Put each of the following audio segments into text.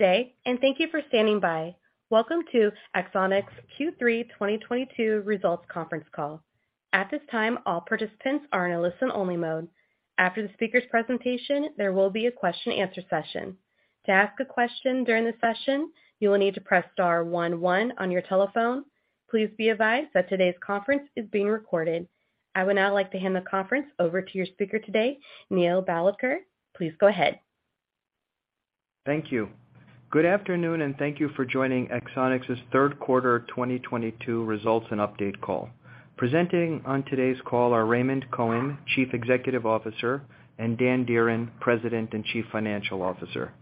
Good day, and thank you for standing by. Welcome to Axonics' Q3 2022 results conference call. At this time, all participants are in a listen-only mode. After the speaker's presentation, there will be a question and answer session. To ask a question during the session, you will need to press star one one on your telephone. Please be advised that today's conference is being recorded. I would now like to hand the conference over to your speaker today, Neil Bhalodkar. Please go ahead. Thank you. Good afternoon, and thank you for joining Axonics' Q3 2022 results and update call. Presenting on today's call are Raymond Cohen, Chief Executive Officer, and Dan Dearen, President and Chief Financial Officer.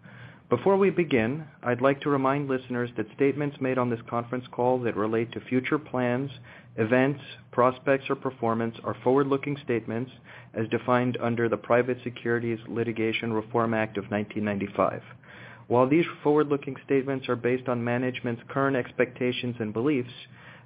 Before we begin, I'd like to remind listeners that statements made on this conference call that relate to future plans, events, prospects, or performance are forward-looking statements as defined under the Private Securities Litigation Reform Act of 1995. While these forward-looking statements are based on management's current expectations and beliefs,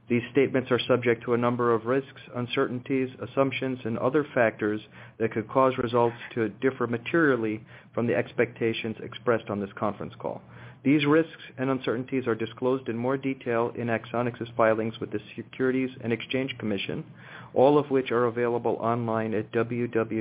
these statements are subject to a number of risks, uncertainties, assumptions, and other factors that could cause results to differ materially from the expectations expressed on this conference call. These risks and uncertainties are disclosed in more detail in Axonics' filings with the Securities and Exchange Commission, all of which are available online at www.sec.gov.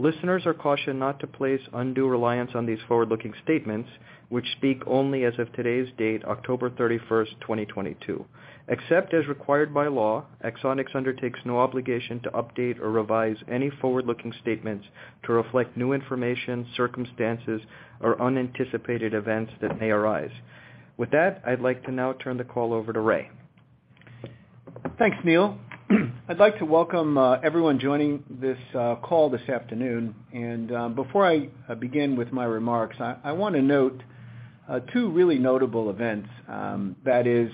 Listeners are cautioned not to place undue reliance on these forward-looking statements, which speak only as of today's date, October 31st, 2022. Except as required by law, Axonics undertakes no obligation to update or revise any forward-looking statements to reflect new information, circumstances, or unanticipated events that may arise. With that, I'd like to now turn the call over to Ray. Thanks, Neil. I'd like to welcome everyone joining this call this afternoon. Before I begin with my remarks, I wanna note two really notable events, that is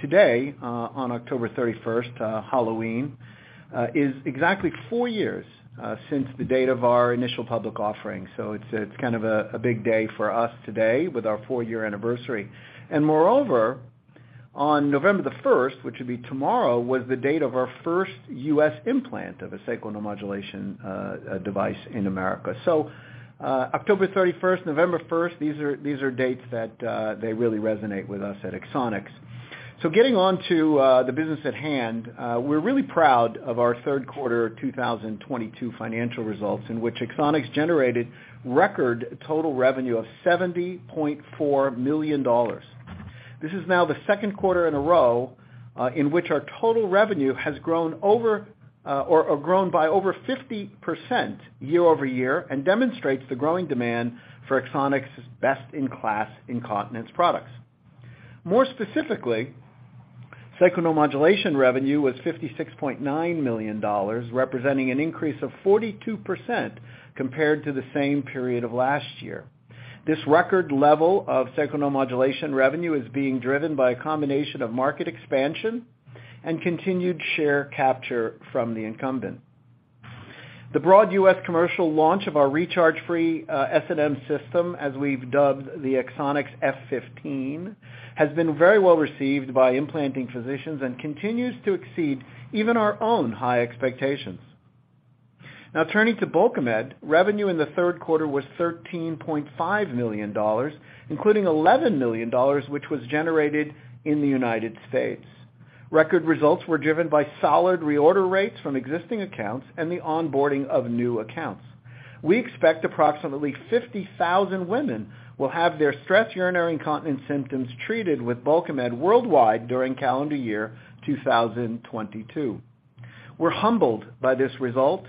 today on October 31st, Halloween, is exactly four years since the date of our initial public offering. It's kind of a big day for us today with our four-year anniversary. Moreover, on November 1st, which would be tomorrow, was the date of our first U.S. implant of a sacral neuromodulation device in America. October 31st, November 1st, these are dates that they really resonate with us at Axonics. Getting on to the business at hand, we're really proud of our Q3 2022 financial results, in which Axonics generated record total revenue of $70.4 million. This is now the second quarter in a row, in which our total revenue has grown by over 50% year-over-year and demonstrates the growing demand for Axonics' best-in-class incontinence products. More specifically, sacral neuromodulation revenue was $56.9 million, representing an increase of 42% compared to the same period of last year. This record level of sacral neuromodulation revenue is being driven by a combination of market expansion and continued share capture from the incumbent. The broad U.S. commercial launch of our recharge-free SNM system, as we've dubbed the Axonics F15, has been very well received by implanting physicians and continues to exceed even our own high expectations. Now, turning to Bulkamid, revenue in the Q3 was $13.5 million, including $11 million, which was generated in the United States. Record results were driven by solid reorder rates from existing accounts and the onboarding of new accounts. We expect approximately 50,000 women will have their stress urinary incontinence symptoms treated with Bulkamid worldwide during calendar year 2022. We're humbled by this result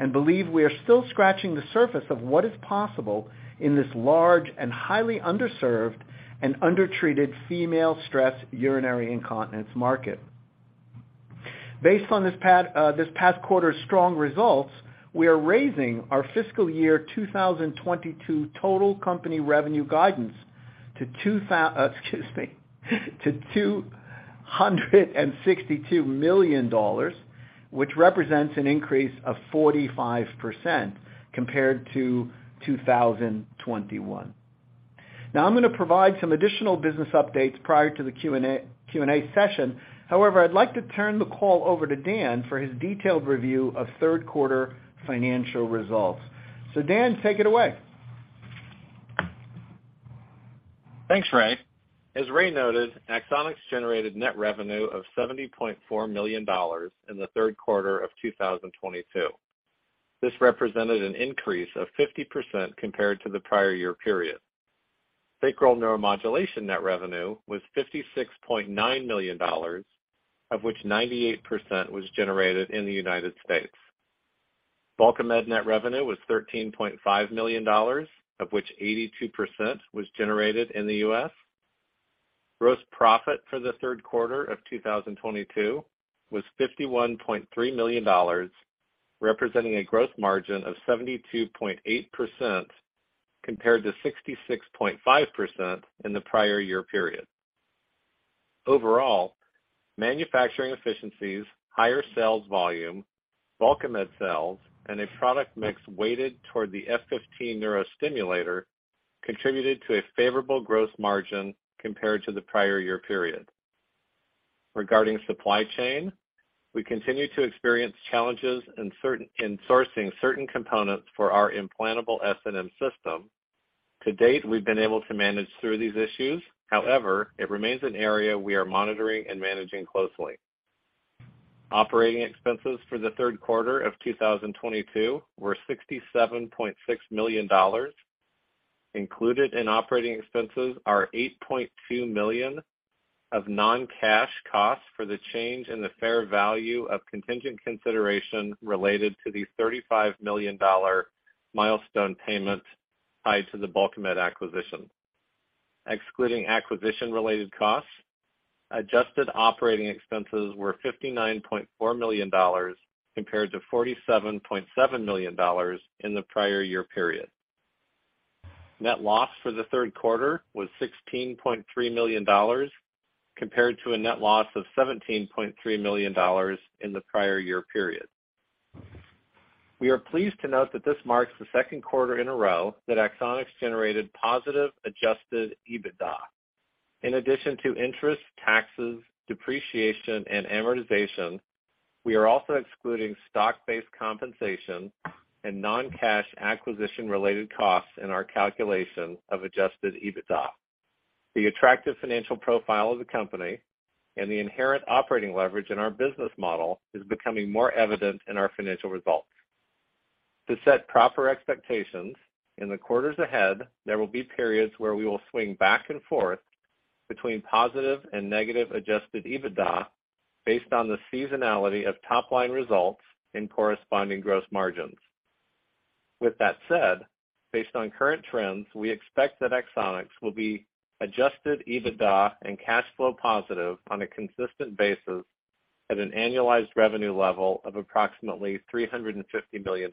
and believe we are still scratching the surface of what is possible in this large and highly underserved and undertreated female stress urinary incontinence market. Based on this past quarter's strong results, we are raising our fiscal year 2022 total company revenue guidance to $262 million, which represents an increase of 45% compared to 2021. Now, I'm gonna provide some additional business updates prior to the Q&A session. However, I'd like to turn the call over to Dan for his detailed review of Q3 financial results. Dan, take it away. Thanks, Ray. As Ray noted, Axonics generated net revenue of $70.4 million in the Q3 of 2022. This represented an increase of 50% compared to the prior year period. Sacral neuromodulation net revenue was $56.9 million, of which 98% was generated in the United States. Bulkamid net revenue was $13.5 million, of which 82% was generated in the US. Gross profit for the Q3 of 2022 was $51.3 million, representing a gross margin of 72.8%, compared to 66.5% in the prior year period. Overall, manufacturing efficiencies, higher sales volume, Bulkamid sales, and a product mix weighted toward the F15 neurostimulator contributed to a favorable gross margin compared to the prior year period. Regarding supply chain, we continue to experience challenges in sourcing certain components for our implantable SNM system. To date, we've been able to manage through these issues. However, it remains an area we are monitoring and managing closely. Operating expenses for the Q3 of 2022 were $67.6 million. Included in operating expenses are $8.2 million of non-cash costs for the change in the fair value of contingent consideration related to the $35 million milestone payment tied to the Bulkamid acquisition. Excluding acquisition-related costs, adjusted operating expenses were $59.4 million compared to $47.7 million in the prior year period. Net loss for the Q3 was $16.3 million compared to a net loss of $17.3 million in the prior year period. We are pleased to note that this marks the Q2 in a row that Axonics generated positive adjusted EBITDA. In addition to interest, taxes, depreciation, and amortization, we are also excluding stock-based compensation and non-cash acquisition-related costs in our calculation of adjusted EBITDA. The attractive financial profile of the company and the inherent operating leverage in our business model is becoming more evident in our financial results. To set proper expectations, in the quarters ahead, there will be periods where we will swing back and forth between positive and negative adjusted EBITDA based on the seasonality of top-line results in corresponding gross margins. With that said, based on current trends, we expect that Axonics will be adjusted EBITDA and cash flow positive on a consistent basis at an annualized revenue level of approximately $350 million.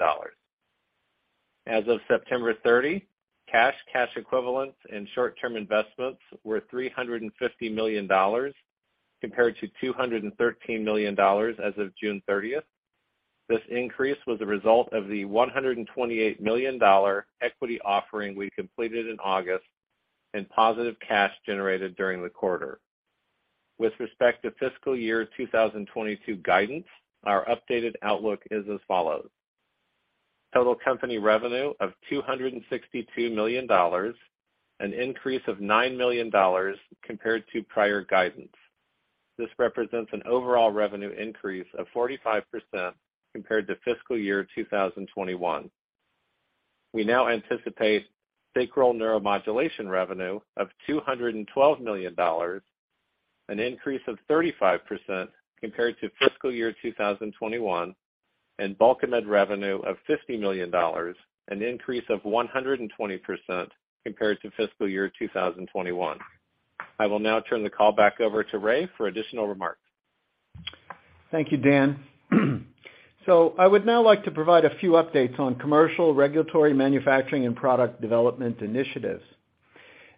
As of September 30, cash equivalents, and short-term investments were $350 million compared to $213 million as of June 30. This increase was a result of the $128 million equity offering we completed in August and positive cash generated during the quarter. With respect to fiscal year 2022 guidance, our updated outlook is as follows. Total company revenue of $262 million, an increase of $9 million compared to prior guidance. This represents an overall revenue increase of 45% compared to fiscal year 2021. We now anticipate sacral neuromodulation revenue of $212 million, an increase of 35% compared to fiscal year 2021, and Bulkamid revenue of $50 million, an increase of 120% compared to fiscal year 2021. I will now turn the call back over to Ray for additional remarks. Thank you, Dan. I would now like to provide a few updates on commercial, regulatory, manufacturing, and product development initiatives.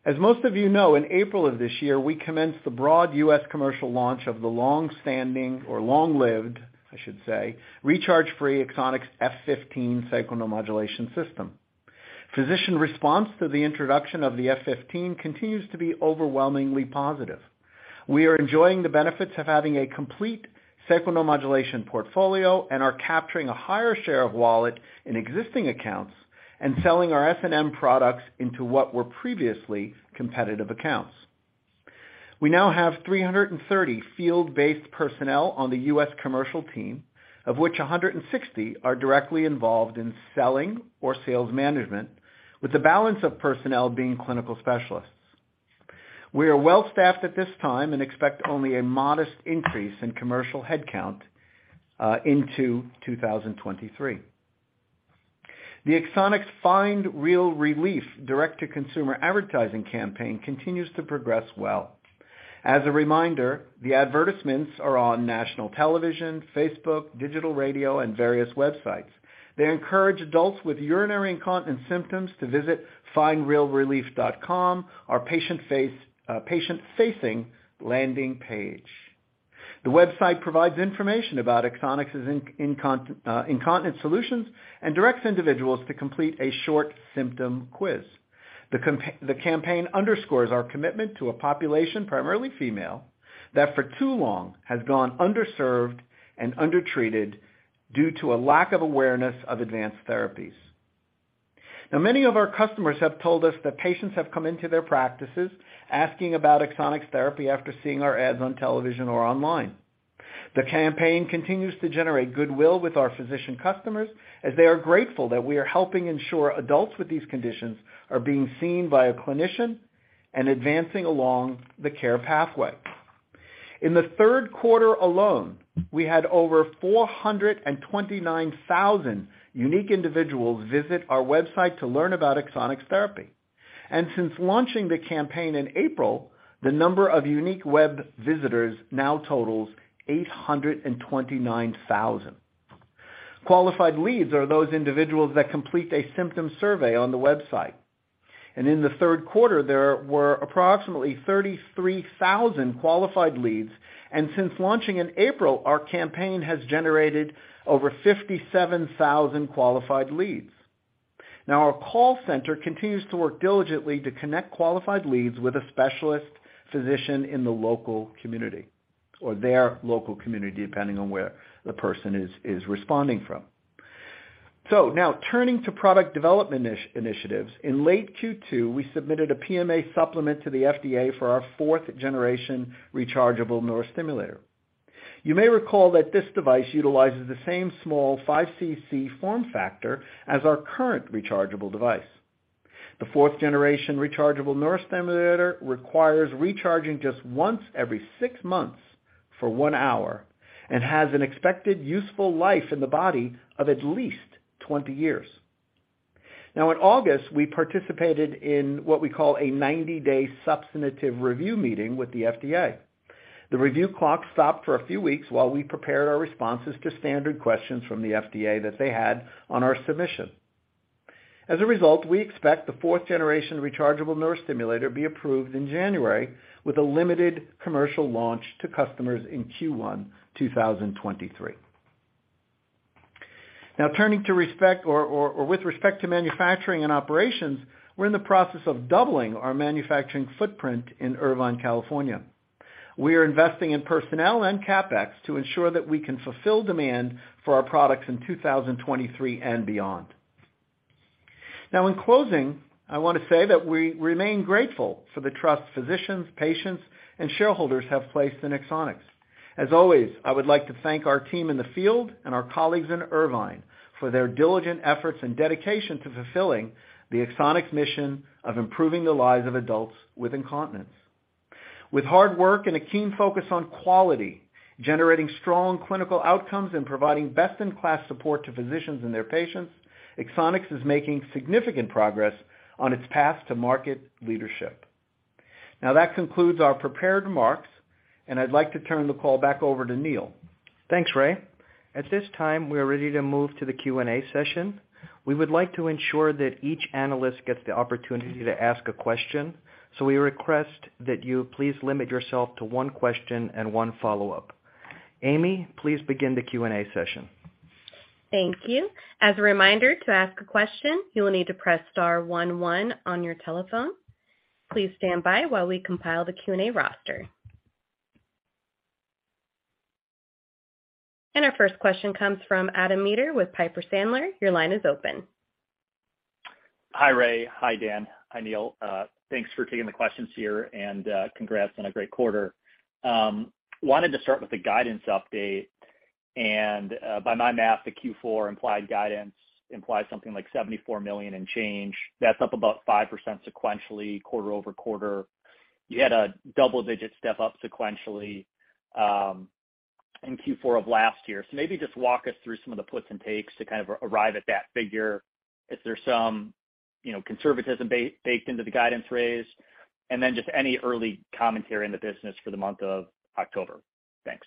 As most of you know, in April of this year, we commenced the broad U.S. commercial launch of the long-standing or long-lived, I should say, recharge-free Axonics F15 Sacral Neuromodulation System. Physician response to the introduction of the F15 continues to be overwhelmingly positive. We are enjoying the benefits of having a complete Sacral Neuromodulation portfolio and are capturing a higher share of wallet in existing accounts and selling our SNM products into what were previously competitive accounts. We now have 330 field-based personnel on the U.S. commercial team, of which 160 are directly involved in selling or sales management, with the balance of personnel being clinical specialists. We are well-staffed at this time and expect only a modest increase in commercial headcount into 2023. The Axonics Find Real Relief direct-to-consumer advertising campaign continues to progress well. As a reminder, the advertisements are on national television, Facebook, digital radio, and various websites. They encourage adults with urinary incontinence symptoms to visit findrealrelief.com, our patient-facing landing page. The website provides information about Axonics' incontinence solutions and directs individuals to complete a short symptom quiz. The campaign underscores our commitment to a population, primarily female, that for too long has gone underserved and undertreated due to a lack of awareness of advanced therapies. Now, many of our customers have told us that patients have come into their practices asking about Axonics therapy after seeing our ads on television or online. The campaign continues to generate goodwill with our physician customers, as they are grateful that we are helping ensure adults with these conditions are being seen by a clinician and advancing along the care pathway. In the Q3 alone, we had over 429,000 unique individuals visit our website to learn about Axonics therapy. Since launching the campaign in April, the number of unique web visitors now totals 829,000. Qualified leads are those individuals that complete a symptom survey on the website. In the third quarter, there were approximately 33,000 qualified leads, and since launching in April, our campaign has generated over 57,000 qualified leads. Now our call center continues to work diligently to connect qualified leads with a specialist physician in the local community or their local community, depending on where the person is responding from. Now turning to product development initiatives. In late Q2, we submitted a PMA supplement to the FDA for our fourth generation rechargeable nerve stimulator. You may recall that this device utilizes the same small 5 cc form factor as our current rechargeable device. The fourth generation rechargeable nerve stimulator requires recharging just once every six months for 1 hour and has an expected useful life in the body of at least 20 years. Now in August, we participated in what we call a 90-day substantive review meeting with the FDA. The review clock stopped for a few weeks while we prepared our responses to standard questions from the FDA that they had on our submission. As a result, we expect the fourth generation rechargeable nerve stimulator be approved in January with a limited commercial launch to customers in Q1 2023. Now turning to with respect to manufacturing and operations, we're in the process of doubling our manufacturing footprint in Irvine, California. We are investing in personnel and CapEx to ensure that we can fulfill demand for our products in 2023 and beyond. Now in closing, I wanna say that we remain grateful for the trust physicians, patients, and shareholders have placed in Axonics. As always, I would like to thank our team in the field and our colleagues in Irvine for their diligent efforts and dedication to fulfilling the Axonics mission of improving the lives of adults with incontinence. With hard work and a keen focus on quality, generating strong clinical outcomes and providing best in class support to physicians and their patients, Axonics is making significant progress on its path to market leadership. Now that concludes our prepared remarks, and I'd like to turn the call back over to Neil. Thanks, Ray. At this time, we are ready to move to the Q&A session. We would like to ensure that each analyst gets the opportunity to ask a question, so we request that you please limit yourself to one question and one follow-up. Amy, please begin the Q&A session. Thank you. As a reminder, to ask a question, you will need to press star one one on your telephone. Please stand by while we compile the Q&A roster. Our first question comes from Adam Maeder with Piper Sandler. Your line is open. Hi, Ray. Hi, Dan. Hi, Neil. Thanks for taking the questions here and congrats on a great quarter. Wanted to start with the guidance update, and by my math, the Q4 implied guidance implies something like $74 million and change. That's up about 5% sequentially quarter-over-quarter. You had a double-digit step up sequentially in Q4 of last year. Maybe just walk us through some of the puts and takes to kind of arrive at that figure. Is there some, you know, conservatism baked into the guidance raise? Then just any early commentary in the business for the month of October. Thanks.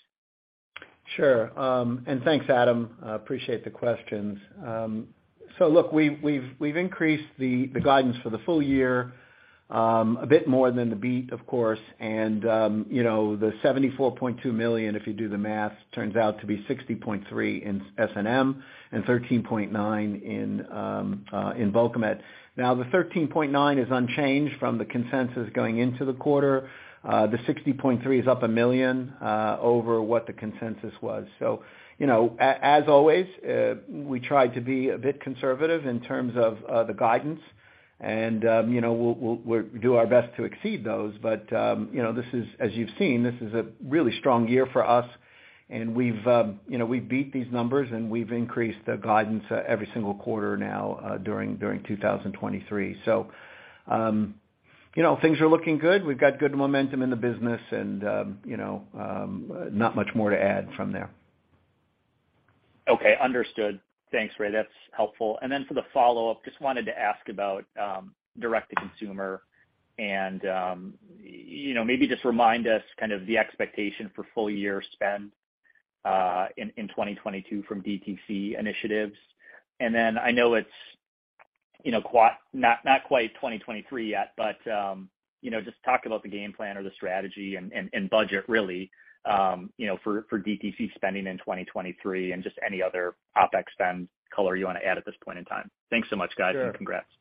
Sure. And thanks, Adam. I appreciate the questions. So look, we've increased the guidance for the full year, a bit more than the beat, of course. You know, the $74.2 million, if you do the math, turns out to be $60.3 million in S&M and $13.9 million in bulkamid. Now, the $13.9 million is unchanged from the consensus going into the quarter. The $60.3 million is up $1 million over what the consensus was. You know, as always, we try to be a bit conservative in terms of the guidance, and you know, we'll do our best to exceed those. You know, this is, as you've seen, this is a really strong year for us. We've, you know, we've beat these numbers, and we've increased the guidance every single quarter now during 2023. You know, not much more to add from there. Okay, understood. Thanks, Ray. That's helpful. For the follow-up, just wanted to ask about direct-to-consumer and you know, maybe just remind us kind of the expectation for full year spend in 2022 from DTC initiatives. I know it's you know, not quite 2023 yet, but you know, just talk about the game plan or the strategy and budget really you know, for DTC spending in 2023 and just any other OpEx spend color you wanna add at this point in time. Thanks so much, guys, and congrats. Sure.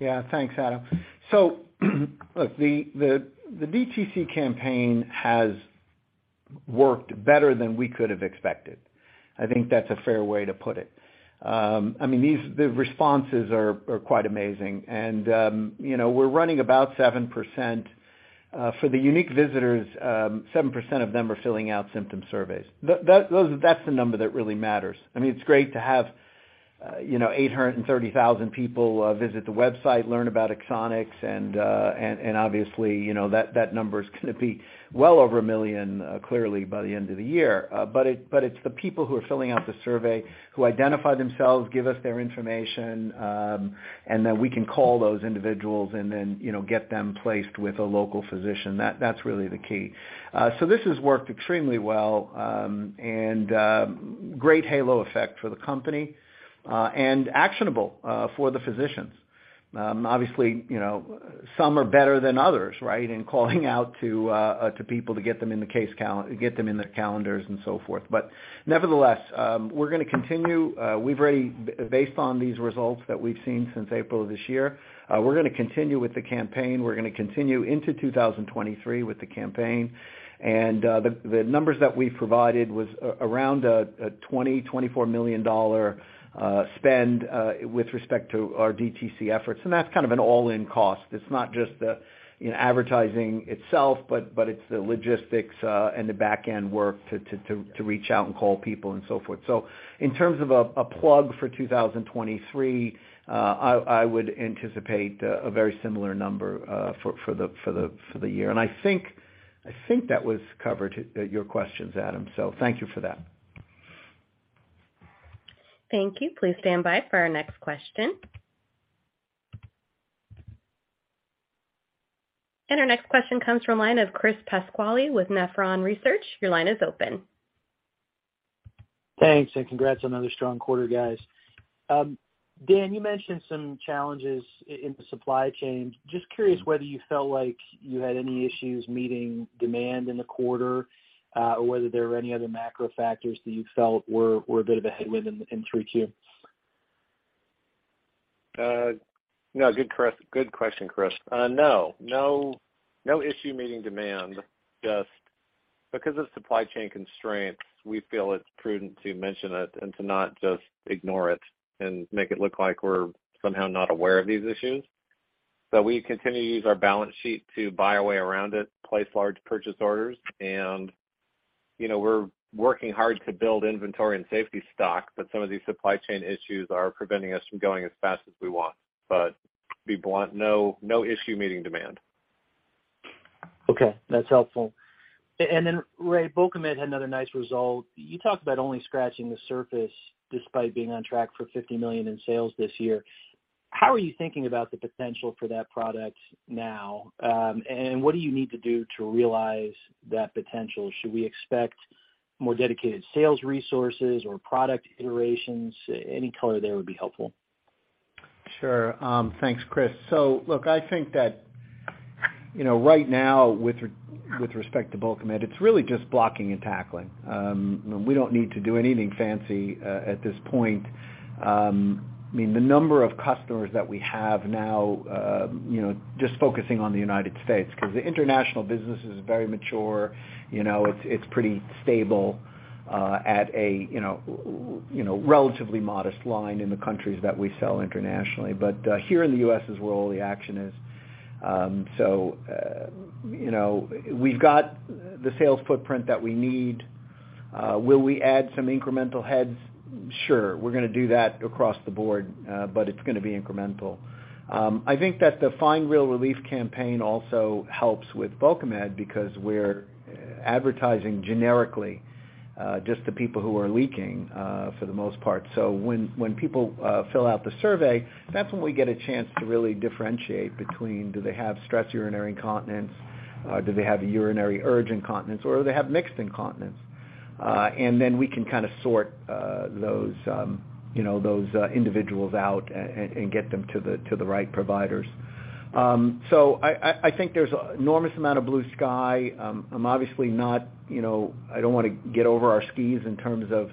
Yeah. Thanks, Adam. Look, the DTC campaign has worked better than we could have expected. I think that's a fair way to put it. I mean, these responses are quite amazing. You know, we're running about 7%. For the unique visitors, 7% of them are filling out symptom surveys. That's the number that really matters. I mean, it's great to have, you know, 830,000 people visit the website, learn about Axonics, and obviously, you know, that number is gonna be well over 1 million, clearly by the end of the year. It's the people who are filling out the survey, who identify themselves, give us their information, and then we can call those individuals and then, you know, get them placed with a local physician. That's really the key. This has worked extremely well, and great halo effect for the company, and actionable for the physicians. Obviously, you know, some are better than others, right? In calling out to people to get them in their calendars and so forth. Nevertheless, we're gonna continue. Based on these results that we've seen since April of this year, we're gonna continue with the campaign. We're gonna continue into 2023 with the campaign. The numbers that we provided was around a $24 million spend with respect to our DTC efforts, and that's kind of an all-in cost. It's not just the you know advertising itself, but it's the logistics and the back-end work to reach out and call people and so forth. In terms of a plug for 2023, I would anticipate a very similar number for the year. I think that was covered in your questions, Adam. Thank you for that. Thank you. Please stand by for our next question. Our next question comes from the line of Chris Pasquale with Nephron Research. Your line is open. Thanks, congrats on another strong quarter, guys. Dan, you mentioned some challenges in the supply chain. Just curious whether you felt like you had any issues meeting demand in the quarter, or whether there were any other macro factors that you felt were a bit of a headwind in 3Q. Good question, Chris. No. No issue meeting demand. Just because of supply chain constraints, we feel it's prudent to mention it and to not just ignore it and make it look like we're somehow not aware of these issues. We continue to use our balance sheet to buy our way around it, place large purchase orders, and, you know, we're working hard to build inventory and safety stock, but some of these supply chain issues are preventing us from going as fast as we want. To be blunt, no issue meeting demand. Okay, that's helpful. Ray, Bulkamid had another nice result. You talked about only scratching the surface despite being on track for $50 million in sales this year. What do you need to do to realize that potential? Should we expect more dedicated sales resources or product iterations? Any color there would be helpful. Sure. Thanks, Chris. Look, I think that, you know, right now with respect to volume, it's really just blocking and tackling. We don't need to do anything fancy at this point. I mean, the number of customers that we have now, you know, just focusing on the United States, because the international business is very mature. You know, it's pretty stable at a relatively modest line in the countries that we sell internationally. Here in the U.S. is where all the action is. You know, we've got the sales footprint that we need. Will we add some incremental heads? Sure. We're gonna do that across the board, but it's gonna be incremental. I think that the Find Real Relief campaign also helps with volume because we're advertising generically, just to people who are leaking, for the most part. When people fill out the survey, that's when we get a chance to really differentiate between do they have stress urinary incontinence, do they have urinary urge incontinence, or do they have mixed incontinence? Then we can kind of sort those, you know, individuals out and get them to the right providers. I think there's enormous amount of blue sky. I'm obviously not, you know. I don't want to get over our skis in terms of,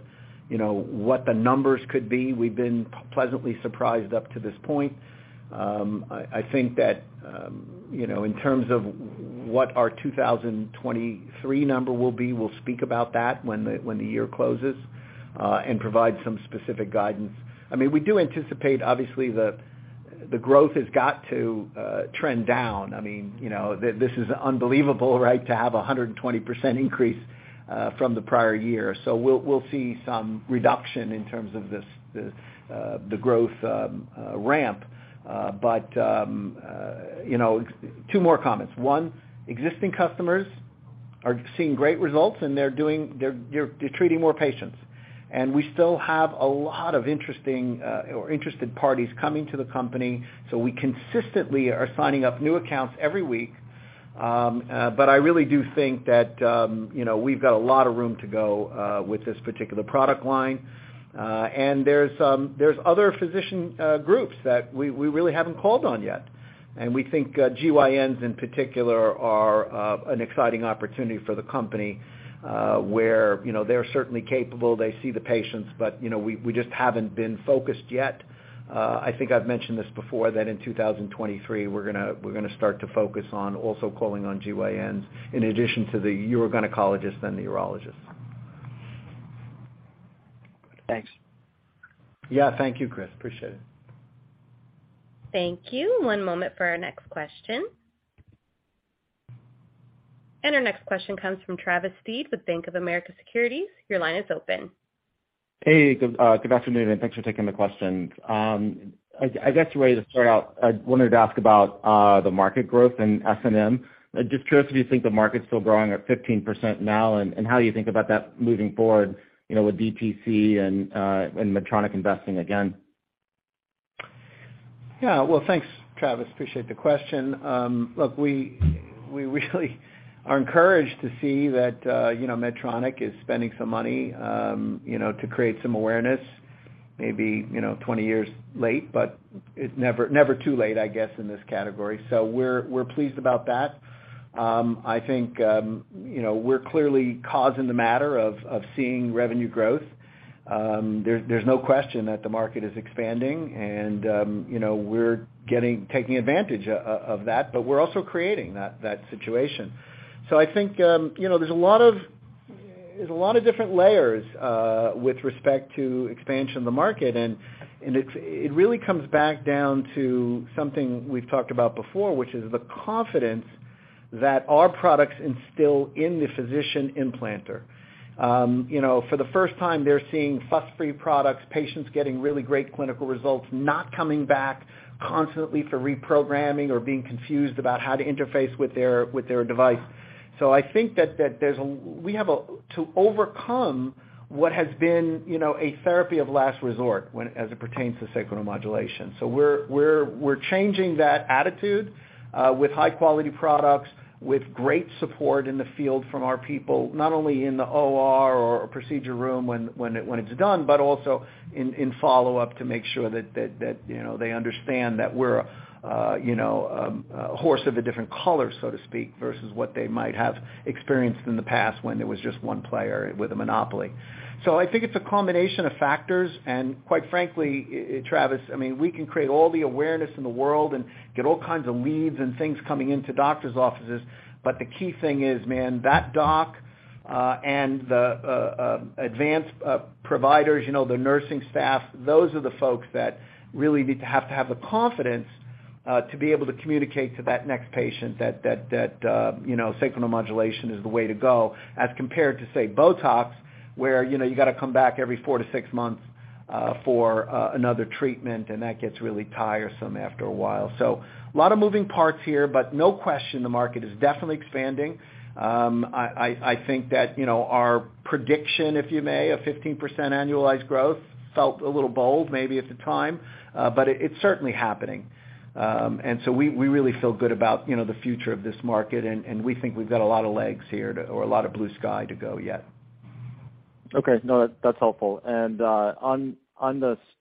you know, what the numbers could be. We've been pleasantly surprised up to this point. I think that, you know, in terms of what our 2023 number will be, we'll speak about that when the year closes and provide some specific guidance. I mean, we do anticipate, obviously, the growth has got to trend down. I mean, you know, this is unbelievable, right? To have a 120% increase from the prior year. We'll see some reduction in terms of this growth ramp. You know, two more comments. One, existing customers are seeing great results, and they're treating more patients. We still have a lot of interested parties coming to the company, so we consistently are signing up new accounts every week. I really do think that, you know, we've got a lot of room to go with this particular product line. There's other physician groups that we really haven't called on yet. We think GYNs in particular are an exciting opportunity for the company, where, you know, they're certainly capable, they see the patients, but, you know, we just haven't been focused yet. I think I've mentioned this before, that in 2023, we're gonna start to focus on also calling on GYNs in addition to the urogynecologists and the urologists. Thanks. Yeah. Thank you, Chris. Appreciate it. Thank you. One moment for our next question. Our next question comes from Travis Steed with Bank of America Securities. Your line is open. Hey, good afternoon, and thanks for taking the questions. I'd like to start out. I wanted to ask about the market growth in S&M. Just curious if you think the market's still growing at 15% now, and how do you think about that moving forward, you know, with DTC and Medtronic investing again? Yeah. Well, thanks, Travis. Appreciate the question. Look, we really are encouraged to see that, you know, Medtronic is spending some money, you know, to create some awareness. Maybe, you know, 20 years late, but it's never too late, I guess, in this category. We're pleased about that. I think, you know, we're clearly causing the matter of seeing revenue growth. There's no question that the market is expanding and, you know, we're taking advantage of that, but we're also creating that situation. I think, you know, there's a lot of different layers with respect to expansion of the market. It really comes back down to something we've talked about before, which is the confidence that our products instill in the physician implanter. You know, for the first time, they're seeing fuss-free products, patients getting really great clinical results, not coming back constantly for reprogramming or being confused about how to interface with their device. I think that we have to overcome what has been, you know, a therapy of last resort as it pertains to sacral neuromodulation. We're changing that attitude with high-quality products, with great support in the field from our people, not only in the OR or procedure room when it's done, but also in follow-up to make sure that, you know, they understand that we're, you know, a horse of a different color, so to speak, versus what they might have experienced in the past when it was just one player with a monopoly. I think it's a combination of factors. Quite frankly, Travis, I mean, we can create all the awareness in the world and get all kinds of leads and things coming into doctor's offices. The key thing is, man, that doc and the advanced providers, you know, the nursing staff, those are the folks that really need to have the confidence to be able to communicate to that next patient that you know, sacral neuromodulation is the way to go as compared to, say, Botox, where you know, you gotta come back every four to six months for another treatment, and that gets really tiresome after a while. A lot of moving parts here, but no question, the market is definitely expanding. I think that, you know, our prediction, if I may, of 15% annualized growth felt a little bold maybe at the time, but it's certainly happening. We really feel good about, you know, the future of this market, and we think we've got a lot of legs here or a lot of blue sky to go yet. Okay. No, that's helpful. On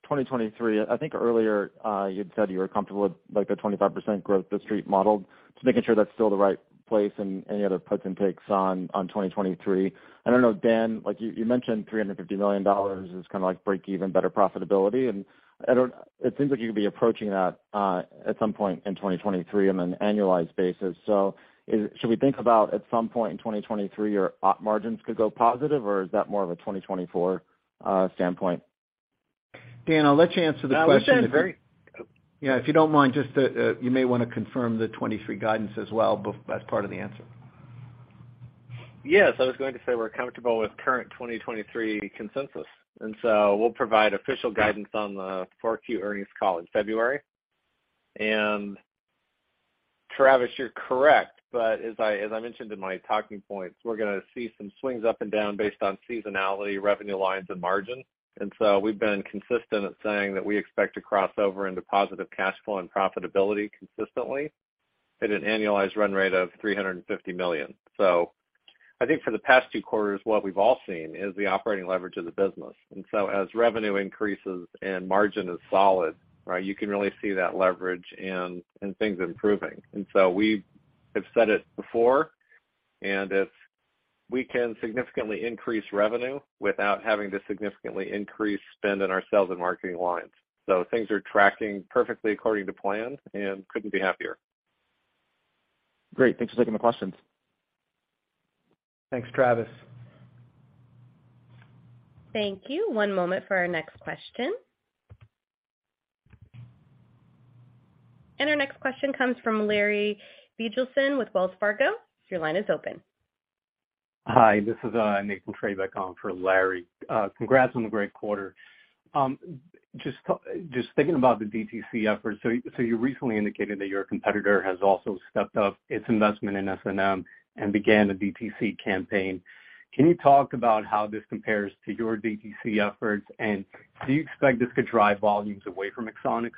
2023, I think earlier you'd said you were comfortable with, like, the 25% growth The Street modeled, just making sure that's still the right place and any other puts and takes on 2023. I don't know, Dan, like you mentioned $350 million is kinda like break even, better profitability. It seems like you're gonna be approaching that at some point in 2023 on an annualized basis. Should we think about at some point in 2023 your op margins could go positive, or is that more of a 2024 standpoint? Dan, I'll let you answer the question. I would say I'm very. Yeah, if you don't mind, just, you may wanna confirm the 2023 guidance as well as part of the answer. Yes. I was going to say we're comfortable with current 2023 consensus, and so we'll provide official guidance on the Q4 earnings call in February. Travis, you're correct, but as I, as I mentioned in my talking points, we're gonna see some swings up and down based on seasonality, revenue lines and margin. We've been consistent at saying that we expect to cross over into positive cash flow and profitability consistently at an annualized run rate of $350 million. I think for the past two quarters, what we've all seen is the operating leverage of the business. As revenue increases and margin is solid, right? You can really see that leverage and things improving. We have said it before, and if we can significantly increase revenue without having to significantly increase spend in our sales and marketing lines. Things are tracking perfectly according to plan and couldn't be happier. Great. Thanks for taking the questions. Thanks, Travis. Thank you. One moment for our next question. Our next question comes from Larry Biegelsen with Wells Fargo. Your line is open. Hi, this is Nathan Treybeck from Wells Fargo for Larry Biegelsen. Congrats on the great quarter. Just thinking about the DTC effort. You recently indicated that your competitor has also stepped up its investment in SNM and began a DTC campaign. Can you talk about how this compares to your DTC efforts, and do you expect this could drive volumes away from Axonics?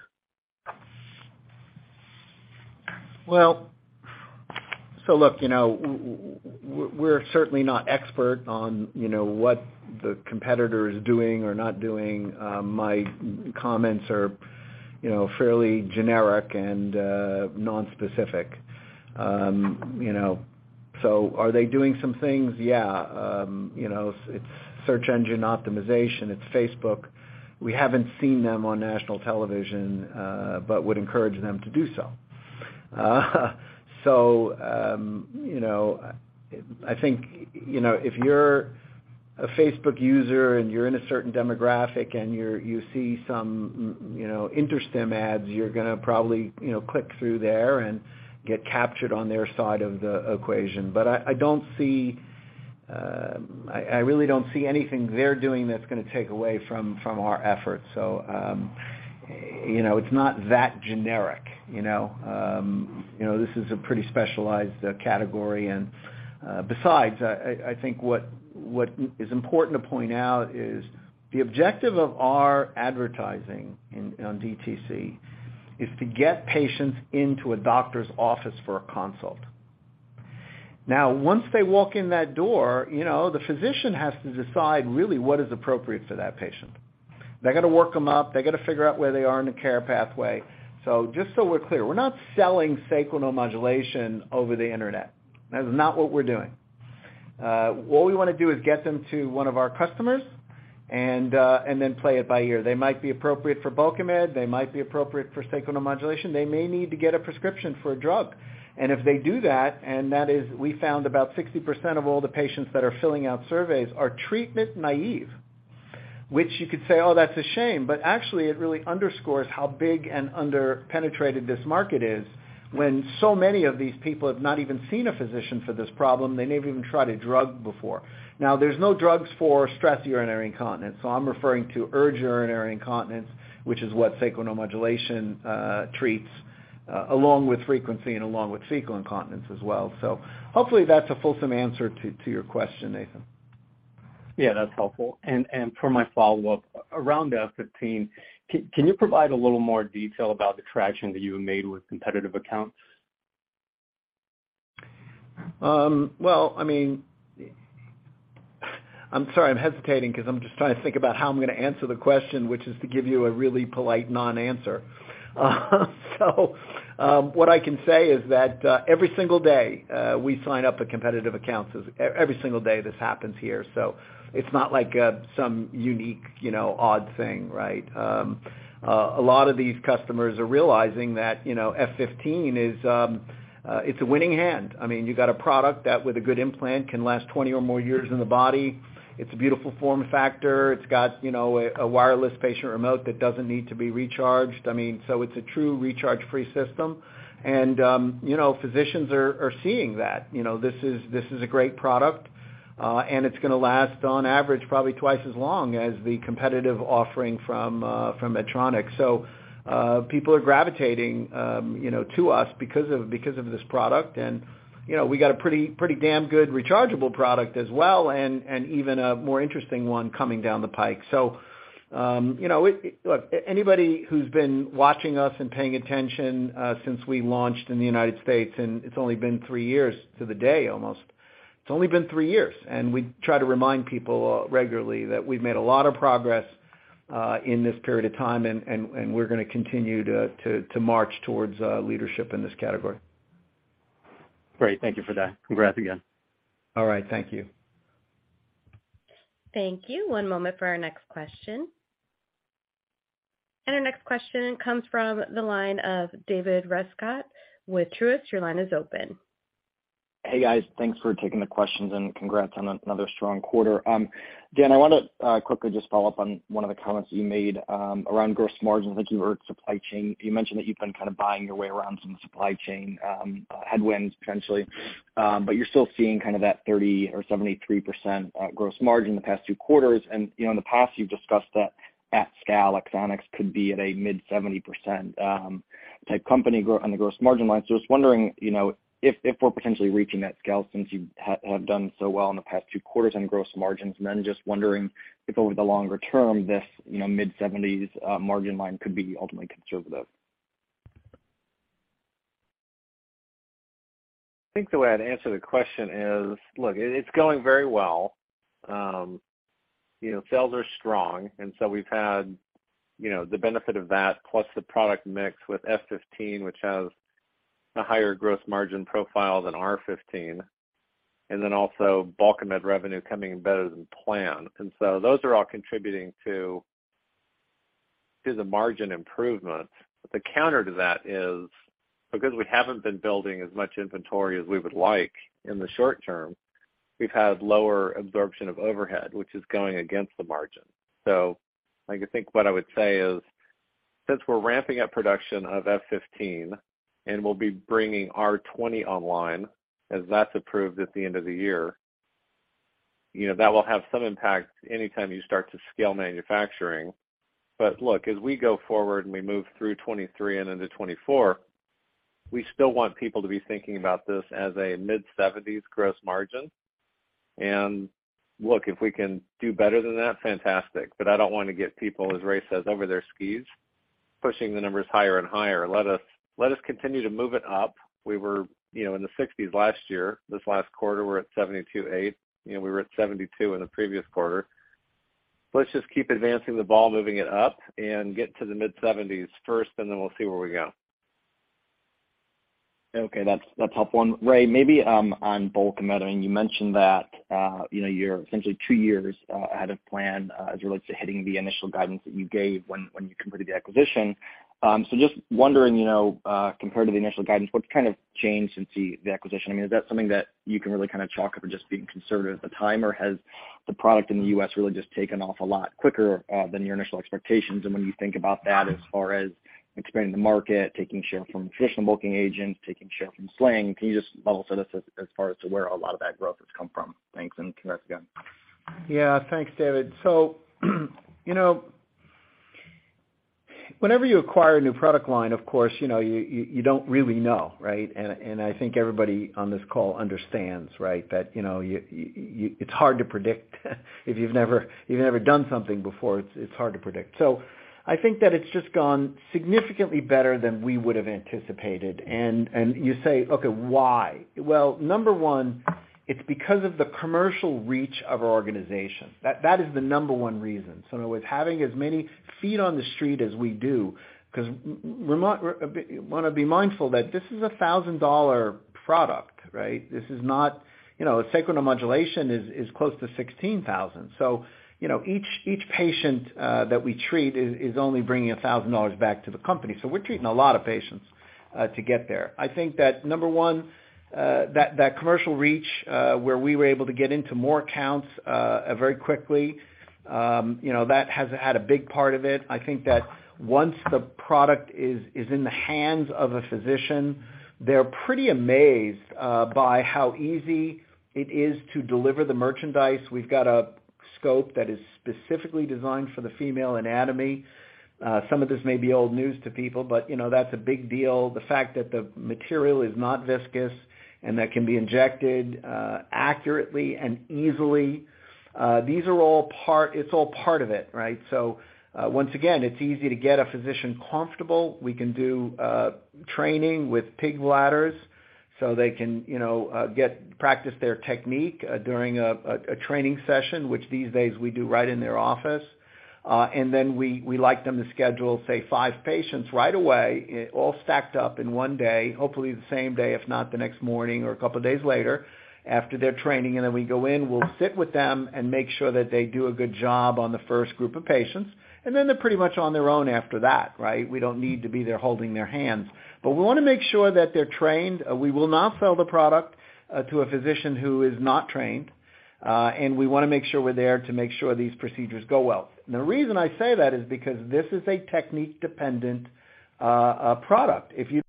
Look, you know, we're certainly not expert on, you know, what the competitor is doing or not doing. My comments are, you know, fairly generic and nonspecific. You know, are they doing some things? Yeah. You know, it's search engine optimization, it's Facebook. We haven't seen them on national television, but would encourage them to do so. You know, I think, you know, if you're a Facebook user and you're in a certain demographic and you see some you know, InterStim ads, you're gonna probably, you know, click through there and get captured on their side of the equation. But I don't see, I really don't see anything they're doing that's gonna take away from our efforts. You know, it's not that generic, you know? You know, this is a pretty specialized category. Besides, I think what is important to point out is the objective of our advertising on DTC is to get patients into a doctor's office for a consult. Now, once they walk in that door, you know, the physician has to decide really what is appropriate for that patient. They got to work them up. They got to figure out where they are in the care pathway. Just so we're clear, we're not selling sacral neuromodulation over the Internet. That is not what we're doing. What we want to do is get them to one of our customers and then play it by ear. They might be appropriate for Bulkamid, they might be appropriate for sacral neuromodulation. They may need to get a prescription for a drug. If they do that, and that is, we found about 60% of all the patients that are filling out surveys are treatment naive, which you could say, "Oh, that's a shame." But actually, it really underscores how big and under penetrated this market is when so many of these people have not even seen a physician for this problem, they may have even tried a drug before. Now, there's no drugs for stress urinary incontinence, so I'm referring to urge urinary incontinence, which is what sacral neuromodulation treats along with frequency and along with fecal incontinence as well. Hopefully, that's a fulsome answer to your question, Nathan. Yeah, that's helpful. For my follow-up, around F15, can you provide a little more detail about the traction that you have made with competitive accounts? Well, I mean, I'm sorry, I'm hesitating because I'm just trying to think about how I'm gonna answer the question, which is to give you a really polite non-answer. What I can say is that, every single day, we sign up a competitive accounts. Every single day this happens here. It's not like, some unique, you know, odd thing, right? A lot of these customers are realizing that, you know, F15 is, it's a winning hand. I mean, you got a product that with a good implant can last 20 or more years in the body. It's a beautiful form factor. It's got, you know, a wireless patient remote that doesn't need to be recharged. I mean, so it's a true recharge-free system. You know, physicians are seeing that, you know, this is a great product, and it's gonna last on average, probably twice as long as the competitive offering from Medtronic. You know, people are gravitating to us because of this product. You know, we got a pretty damn good rechargeable product as well, and even a more interesting one coming down the pike. You know, Look, anybody who's been watching us and paying attention, since we launched in the United States, and it's only been three years to the day, almost. It's only been three years, and we try to remind people regularly that we've made a lot of progress in this period of time, and we're gonna continue to march towards leadership in this category. Great. Thank you for that. Congrats again. All right. Thank you. Thank you. One moment for our next question. Our next question comes from the line of David Rescott with Truist. Your line is open. Hey, guys. Thanks for taking the questions, and congrats on another strong quarter. Dan, I want to quickly just follow up on one of the comments you made around gross margins. I think you said supply chain. You mentioned that you've been kind of buying your way around some supply chain headwinds potentially, but you're still seeing kind of that 37%-73% gross margin the past two quarters. You know, in the past, you've discussed that at scale, Axonics could be at a mid-70% type company on the gross margin line. I was wondering, you know, if we're potentially reaching that scale since you have done so well in the past two quarters on gross margins, and then just wondering if over the longer term this, you know, mid-70s % margin line could be ultimately conservative. I think the way I'd answer the question is, look, it's going very well. You know, sales are strong, and so we've had, you know, the benefit of that, plus the product mix with F15, which has a higher gross margin profile than R15, and then also Bulkamid revenue coming in better than planned. Those are all contributing to the margin improvement. The counter to that is because we haven't been building as much inventory as we would like in the short term, we've had lower absorption of overhead, which is going against the margin. I think what I would say is, since we're ramping up production of F15 and we'll be bringing R20 online as that's approved at the end of the year, you know, that will have some impact anytime you start to scale manufacturing. Look, as we go forward and we move through 2023 and into 2024, we still want people to be thinking about this as a mid-70s% gross margin. Look, if we can do better than that, fantastic. I don't want to get people, as Ray says, over their skis, pushing the numbers higher and higher. Let us continue to move it up. We were, you know, in the 60s last year. This last quarter, we're at 72.8%. You know, we were at 72% in the previous quarter. Let's just keep advancing the ball, moving it up and get to the mid-70s% first, and then we'll see where we go. Okay. That's helpful one. Ray, maybe on Bulkamid, I mean, you mentioned that you know, you're essentially two years ahead of plan as it relates to hitting the initial guidance that you gave when you completed the acquisition. So just wondering, you know, compared to the initial guidance, what's kind of changed since the acquisition? I mean, is that something that you can really kind of chalk up to just being conservative at the time? Or has the product in the U.S. really just taken off a lot quicker than your initial expectations? When you think about that as far as expanding the market, taking share from traditional bulking agents, taking share from sling, can you just level set us as far as to where a lot of that growth has come from? Thanks, and congrats again. Yeah. Thanks, David. You know, whenever you acquire a new product line, of course, you know, you don't really know, right? I think everybody on this call understands, right? It's hard to predict if you've never done something before, it's hard to predict. I think that it's just gone significantly better than we would've anticipated. You say, "Okay, why?" Well, number one, it's because of the commercial reach of our organization. That is the number one reason. With having as many feet on the street as we do, 'cause you wanna be mindful that this is a $1,000 product, right? This is not. You know, Sacral Neuromodulation is close to $16,000. You know, each patient that we treat is only bringing $1,000 back to the company. We're treating a lot of patients to get there. I think that number one, that commercial reach, where we were able to get into more accounts very quickly, you know, that has had a big part of it. I think that once the product is in the hands of a physician, they're pretty amazed by how easy it is to deliver the merchandise. We've got a scope that is specifically designed for the female anatomy. Some of this may be old news to people, but you know, that's a big deal. The fact that the material is not viscous and that can be injected accurately and easily, these are all part. It's all part of it, right? Once again, it's easy to get a physician comfortable. We can do training with pig bladders so they can, you know, practice their technique during a training session, which these days we do right in their office. We like them to schedule, say, five patients right away, all stacked up in one day, hopefully the same day, if not, the next morning or a couple of days later after their training. We go in, we'll sit with them and make sure that they do a good job on the first group of patients, and then they're pretty much on their own after that, right? We don't need to be there holding their hands. We wanna make sure that they're trained. We will not sell the product to a physician who is not trained. We wanna make sure we're there to make sure these procedures go well. The reason I say that is because this is a technique-dependent product. If you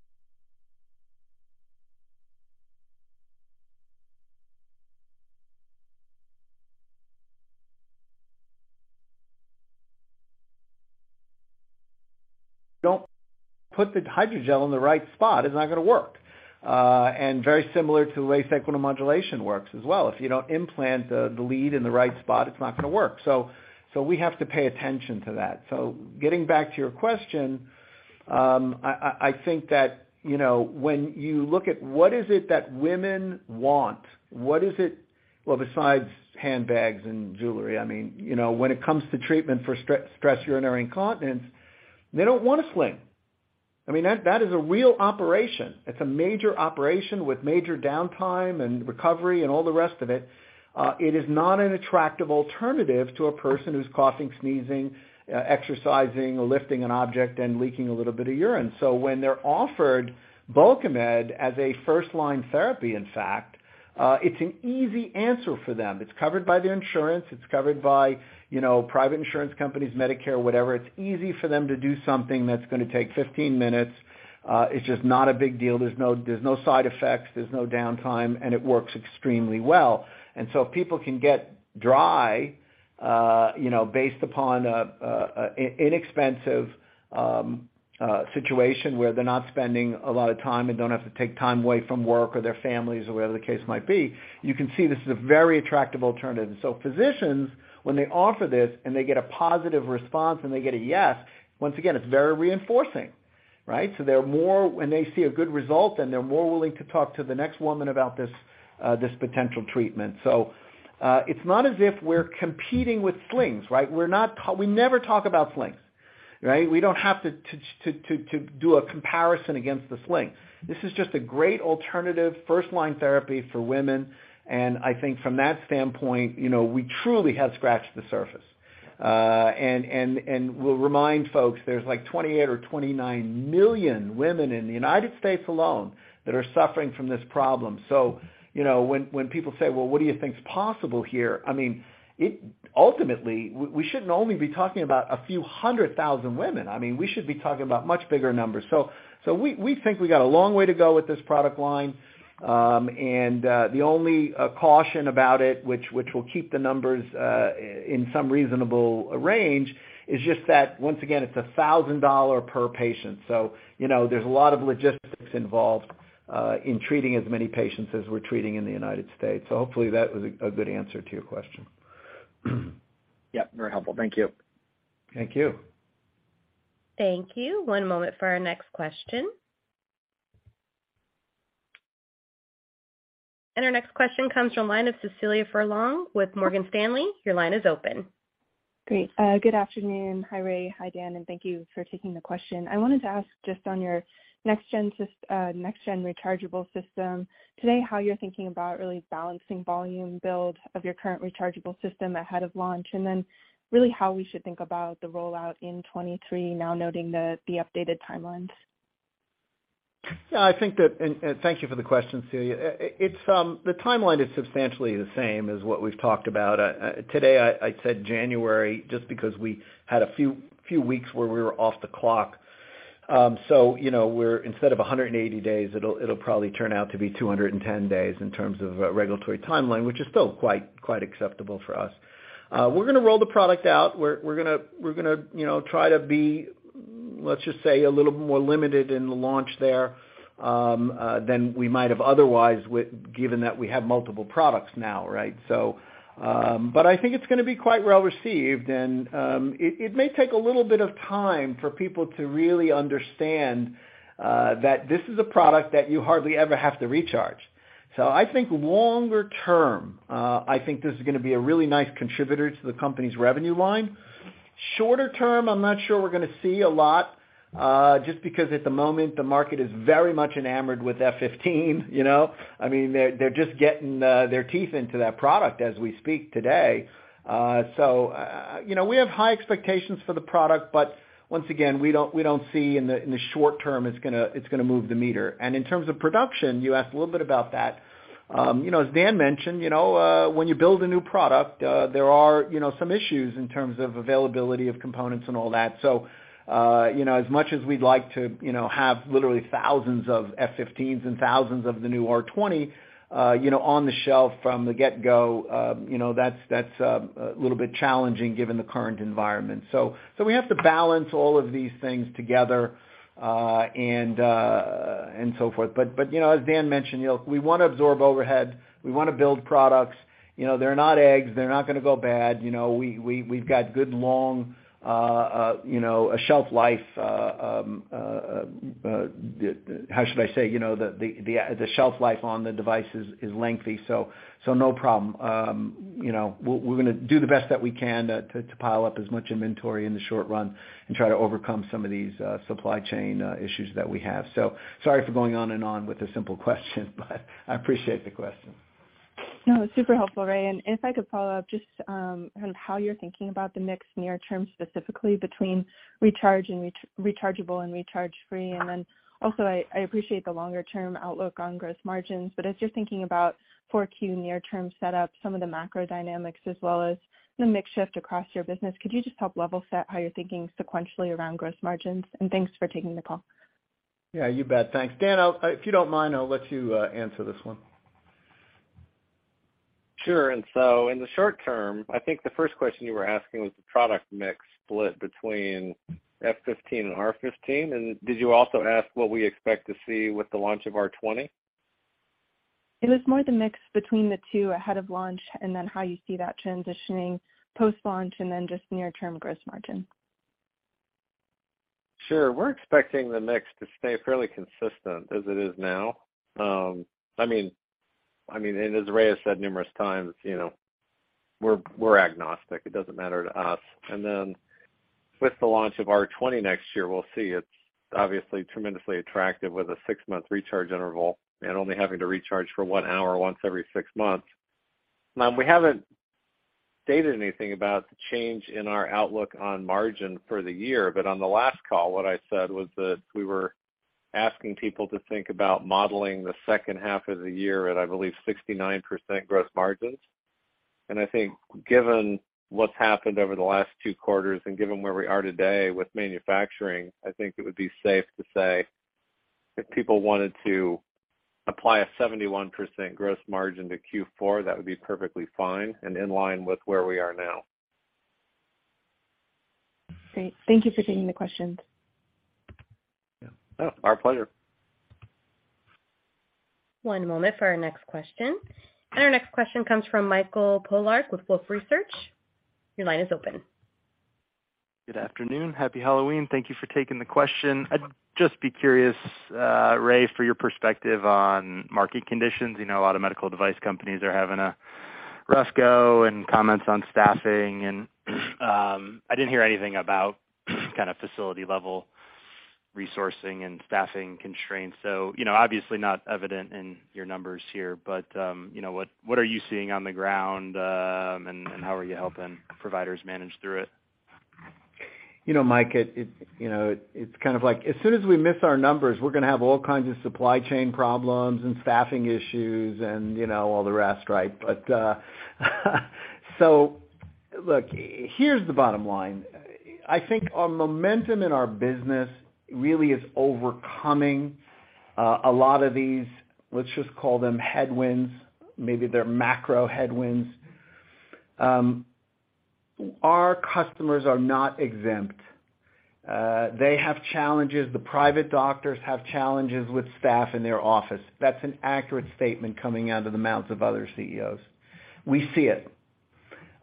don't put the hydrogel in the right spot, it's not gonna work. Very similar to the way sacral neuromodulation works as well. If you don't implant the lead in the right spot, it's not gonna work. We have to pay attention to that. Getting back to your question, I think that, you know, when you look at what is it that women want. Well, besides handbags and jewelry, I mean, you know, when it comes to treatment for stress urinary incontinence, they don't want a sling. I mean, that is a real operation. It's a major operation with major downtime and recovery and all the rest of it. It is not an attractive alternative to a person who's coughing, sneezing, exercising or lifting an object and leaking a little bit of urine. When they're offered Bulkamid as a first-line therapy, in fact, it's an easy answer for them. It's covered by their insurance. It's covered by, you know, private insurance companies, Medicare, whatever. It's easy for them to do something that's gonna take 15 minutes. It's just not a big deal. There's no side effects, there's no downtime, and it works extremely well. If people can get dry, you know, based upon an inexpensive situation where they're not spending a lot of time and don't have to take time away from work or their families or whatever the case might be, you can see this is a very attractive alternative. Physicians, when they offer this and they get a positive response and they get a yes, once again, it's very reinforcing, right? When they see a good result, then they're more willing to talk to the next woman about this potential treatment. It's not as if we're competing with slings, right? We're not. We never talk about slings, right? We don't have to do a comparison against the sling. This is just a great alternative first line therapy for women. I think from that standpoint, you know, we truly have scratched the surface. We'll remind folks there's like 28 or 29 million women in the United States alone that are suffering from this problem. You know, when people say, "Well, what do you think is possible here?" I mean, ultimately, we shouldn't only be talking about a few hundred thousand women. I mean, we should be talking about much bigger numbers. We think we got a long way to go with this product line. The only caution about it, which will keep the numbers in some reasonable range, is just that, once again, it's $1,000 per patient. You know, there's a lot of logistics involved in treating as many patients as we're treating in the United States. Hopefully, that was a good answer to your question. Yep, very helpful. Thank you. Thank you. Thank you. One moment for our next question. Our next question comes from line of Cecilia Furlong with Morgan Stanley. Your line is open. Great. Good afternoon. Hi, Ray. Hi, Dan, and thank you for taking the question. I wanted to ask just on your next gen rechargeable system, today how you're thinking about really balancing volume build of your current rechargeable system ahead of launch? Really how we should think about the rollout in 2023 now noting the updated timelines. Thank you for the question, Cecilia. The timeline is substantially the same as what we've talked about. Today I said January just because we had a few weeks where we were off the clock, you know, we're instead of 180 days, it'll probably turn out to be 210 days in terms of regulatory timeline, which is still quite acceptable for us. We're gonna roll the product out. We're gonna, you know, try to be, let's just say, a little more limited in the launch there than we might have otherwise given that we have multiple products now, right? I think it's gonna be quite well-received, and it may take a little bit of time for people to really understand that this is a product that you hardly ever have to recharge. I think longer term, I think this is gonna be a really nice contributor to the company's revenue line. Shorter term, I'm not sure we're gonna see a lot, just because at the moment, the market is very much enamored with F15, you know? I mean, they're just getting their teeth into that product as we speak today. You know, we have high expectations for the product, but once again, we don't see in the short term it's gonna move the meter. In terms of production, you asked a little bit about that. You know, as Dan mentioned, you know, when you build a new product, there are, you know, some issues in terms of availability of components and all that. You know, as much as we'd like to, you know, have literally thousands of F15s and thousands of the new R20, you know, on the shelf from the get-go, that's a little bit challenging given the current environment. We have to balance all of these things together, and so forth. You know, as Dan mentioned, you know, we wanna absorb overhead. We wanna build products. You know, they're not eggs. They're not gonna go bad. You know, we've got a good long shelf life on the devices, so no problem. You know, we're gonna do the best that we can to pile up as much inventory in the short run and try to overcome some of these supply chain issues that we have. Sorry for going on and on with a simple question, but I appreciate the question. No, super helpful, Ray. If I could follow up just on how you're thinking about the mix near term, specifically between recharge and rechargeable and recharge free. Also, I appreciate the longer term outlook on gross margins, but as you're thinking about 4Q near term setup, some of the macro dynamics as well as the mix shift across your business, could you just help level set how you're thinking sequentially around gross margins? Thanks for taking the call. Yeah, you bet. Thanks. Dan, if you don't mind, I'll let you answer this one. Sure. In the short term, I think the first question you were asking was the product mix split between F15 and R15. Did you also ask what we expect to see with the launch of R20? It was more the mix between the two ahead of launch, and then how you see that transitioning post-launch, and then just near-term gross margin. Sure. We're expecting the mix to stay fairly consistent as it is now. I mean, and as Ray has said numerous times, you know, we're agnostic. It doesn't matter to us. With the launch of R20 next year, we'll see. It's obviously tremendously attractive with a six-month recharge interval and only having to recharge for one hour once every six months. We haven't stated anything about the change in our outlook on margin for the year, but on the last call, what I said was that we were asking people to think about modeling the second half of the year at, I believe, 69% gross margins. I think given what's happened over the last two quarters and given where we are today with manufacturing, I think it would be safe to say if people wanted to apply a 71% gross margin to Q4, that would be perfectly fine and in line with where we are now. Great. Thank you for taking the questions. Yeah. Our pleasure. One moment for our next question. Our next question comes from Michael Polark with Wolfe Research. Your line is open. Good afternoon. Happy Halloween. Thank you for taking the question. I'd just be curious, Ray, for your perspective on market conditions. You know, a lot of medical device companies are having a rough go and comments on staffing and, I didn't hear anything about kind of facility level resourcing and staffing constraints. You know, obviously not evident in your numbers here, but, you know, what are you seeing on the ground, and how are you helping providers manage through it? You know, Mike, it you know, it's kind of like as soon as we miss our numbers, we're gonna have all kinds of supply chain problems and staffing issues and, you know, all the rest, right? So look, here's the bottom line. I think our momentum in our business really is overcoming a lot of these, let's just call them headwinds, maybe they're macro headwinds. Our customers are not exempt. They have challenges. The private doctors have challenges with staff in their office. That's an accurate statement coming out of the mouths of other CEOs. We see it.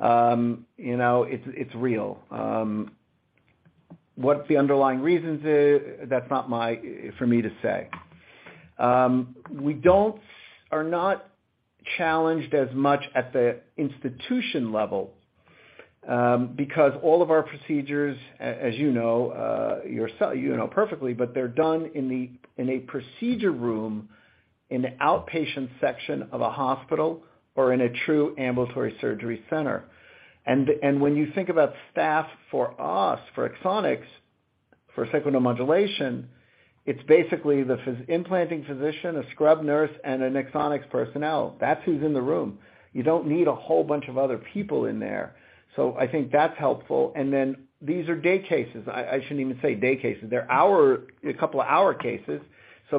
You know, it's real. What the underlying reasons is, that's not my for me to say. We are not challenged as much at the institution level, because all of our procedures, as you know, yourself, you know perfectly, but they're done in a procedure room in the outpatient section of a hospital or in a true ambulatory surgery center. When you think about staff for us, for Axonics, for sacral neuromodulation. It's basically the implanting physician, a scrub nurse, and an Axonics personnel. That's who's in the room. You don't need a whole bunch of other people in there. I think that's helpful. These are day cases. I shouldn't even say day cases. They're a couple of hour cases.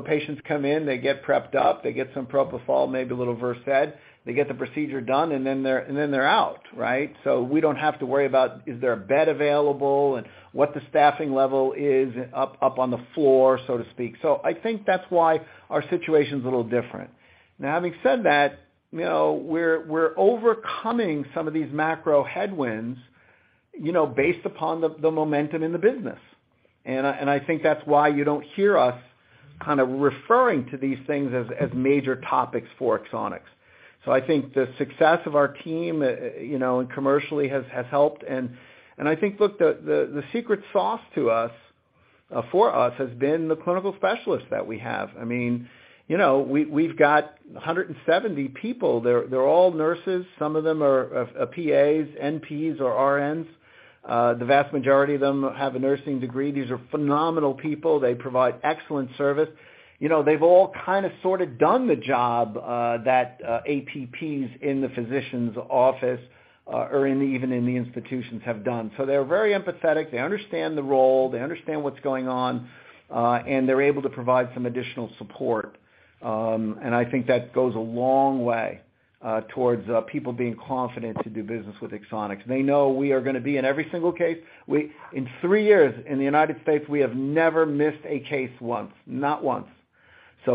Patients come in, they get prepped up, they get some propofol, maybe a little Versed. They get the procedure done, and then they're out, right? We don't have to worry about is there a bed available and what the staffing level is up on the floor, so to speak. I think that's why our situation's a little different. Now, having said that, you know, we're overcoming some of these macro headwinds, you know, based upon the momentum in the business. I think that's why you don't hear us kind of referring to these things as major topics for Axonics. I think the success of our team, you know, and commercially has helped. I think, look, the secret sauce to us, for us has been the clinical specialists that we have. I mean, you know, we've got 170 people. They're all nurses. Some of them are PAs, NPs or RNs. The vast majority of them have a nursing degree. These are phenomenal people. They provide excellent service. You know, they've all kind of, sort of done the job that APPs in the physician's office or even in the institutions have done. They're very empathetic. They understand the role, they understand what's going on, and they're able to provide some additional support. I think that goes a long way towards people being confident to do business with Axonics. They know we are gonna be in every single case. In three years in the United States, we have never missed a case once, not once.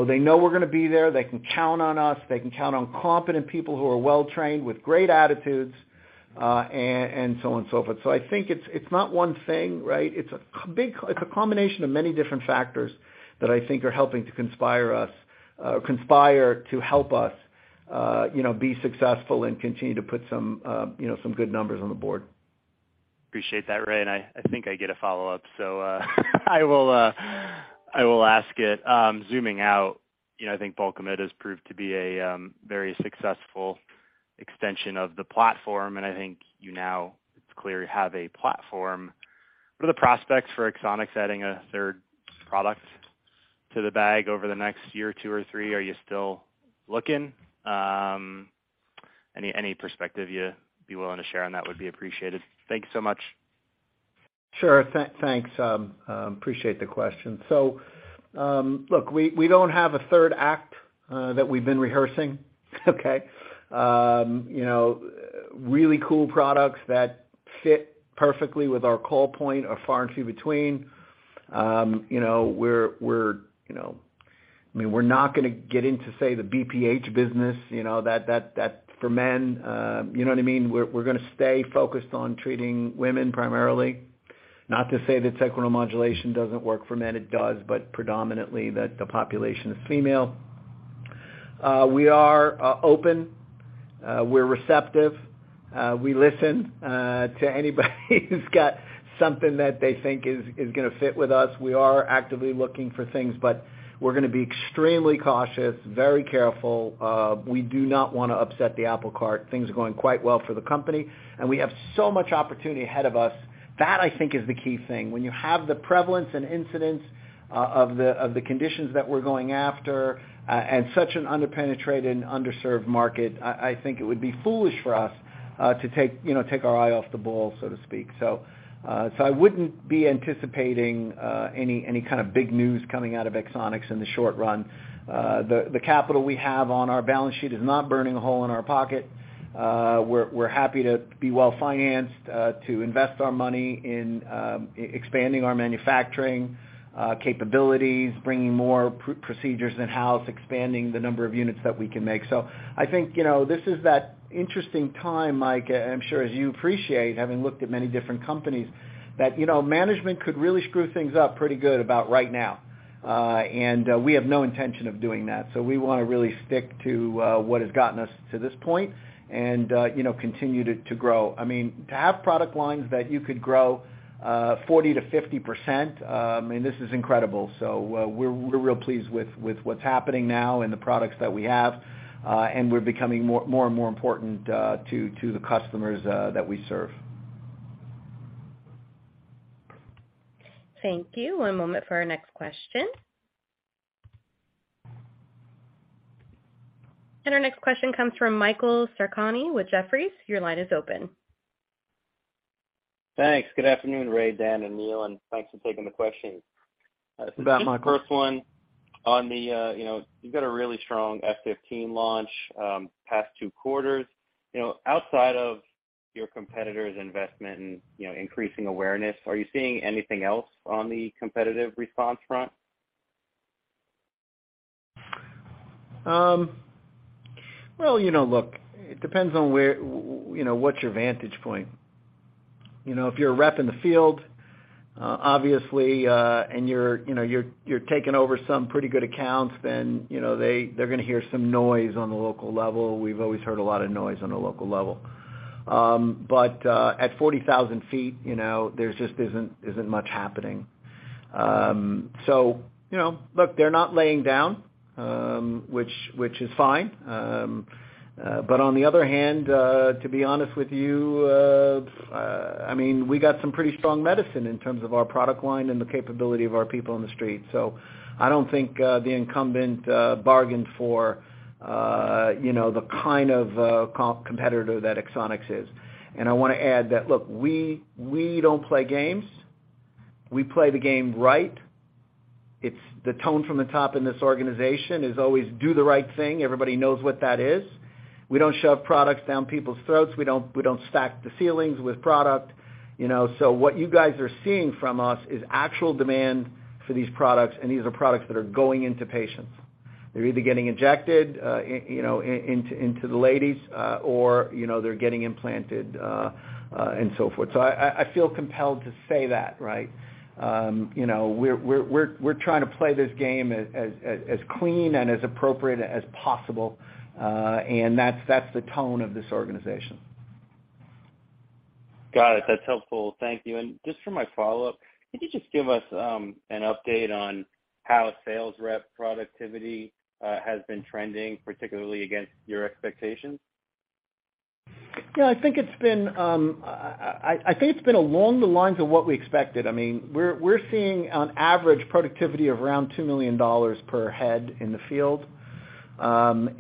They know we're gonna be there. They can count on us. They can count on competent people who are well-trained with great attitudes, and so on and so forth. I think it's not one thing, right? It's a combination of many different factors that I think are helping to conspire to help us, you know, be successful and continue to put some, you know, some good numbers on the board. Appreciate that, Ray, and I think I get a follow-up, so I will ask it. Zooming out, you know, I think Bulkamid has proved to be a very successful extension of the platform, and I think you know it's clear you have a platform. What are the prospects for Axonics adding a third product to the bag over the next year or two or three? Are you still looking? Any perspective you'd be willing to share on that would be appreciated. Thank you so much. Sure. Thanks. Appreciate the question. Look, we don't have a third act that we've been rehearsing, okay? You know, really cool products that fit perfectly with our call point are far and few between. You know, we're you know. I mean, we're not gonna get into, say, the BPH business, you know, that for men, you know what I mean? We're gonna stay focused on treating women primarily. Not to say that sacral neuromodulation doesn't work for men, it does, but predominantly the population is female. We are open. We're receptive. We listen to anybody who's got something that they think is gonna fit with us. We are actively looking for things, but we're gonna be extremely cautious, very careful. We do not wanna upset the apple cart. Things are going quite well for the company, and we have so much opportunity ahead of us. That, I think, is the key thing. When you have the prevalence and incidence of the conditions that we're going after at such an under-penetrated and underserved market, I think it would be foolish for us to take, you know, our eye off the ball, so to speak. I wouldn't be anticipating any kind of big news coming out of Axonics in the short run. The capital we have on our balance sheet is not burning a hole in our pocket. We're happy to be well-financed to invest our money in expanding our manufacturing capabilities, bringing more procedures in-house, expanding the number of units that we can make. I think, you know, this is that interesting time, Mike. I'm sure as you appreciate, having looked at many different companies, that, you know, management could really screw things up pretty good right about now. We have no intention of doing that. We wanna really stick to what has gotten us to this point and, you know, continue to grow. I mean, to have product lines that you could grow 40%-50%, I mean, this is incredible. We're real pleased with what's happening now and the products that we have, and we're becoming more and more important to the customers that we serve. Thank you. One moment for our next question. Our next question comes from Michael Sarcone with Jefferies. Your line is open. Thanks. Good afternoon, Ray, Dan, and Neil, and thanks for taking the questions. You bet, Michael. Just the first one on the, you know, you've got a really strong F15 launch past two quarters. You know, outside of your competitors' investment in, you know, increasing awareness, are you seeing anything else on the competitive response front? Well, you know, look, it depends on where, you know, what's your vantage point. You know, if you're a rep in the field, obviously, and you're, you know, taking over some pretty good accounts, then, you know, they're gonna hear some noise on the local level. We've always heard a lot of noise on the local level. At 40,000 feet, you know, there just isn't much happening. You know, look, they're not laying down. Which is fine. On the other hand, to be honest with you, I mean, we got some pretty strong medicine in terms of our product line and the capability of our people in the street. I don't think the incumbent bargained for, you know, the kind of competitor that Axonics is. I wanna add that, look, we don't play games. We play the game right. It's the tone from the top in this organization is always do the right thing. Everybody knows what that is. We don't shove products down people's throats. We don't stack the ceilings with product, you know. What you guys are seeing from us is actual demand for these products, and these are products that are going into patients. They're either getting injected, you know, into the ladies, or, you know, they're getting implanted, and so forth. I feel compelled to say that, right? You know, we're trying to play this game as clean and as appropriate as possible, and that's the tone of this organization. Got it. That's helpful. Thank you. Just for my follow-up, can you just give us an update on how sales rep productivity has been trending, particularly against your expectations? Yeah. I think it's been along the lines of what we expected. I mean, we're seeing on average productivity of around $2 million per head in the field. I mean,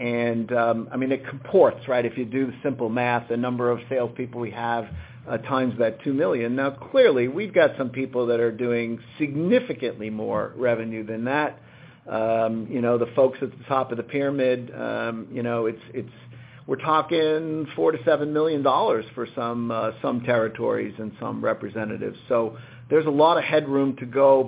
it comports, right? If you do the simple math, the number of salespeople we have, times that $2 million. Now, clearly, we've got some people that are doing significantly more revenue than that. You know, the folks at the top of the pyramid, you know, we're talking $4-$7 million for some territories and some representatives. There's a lot of headroom to go.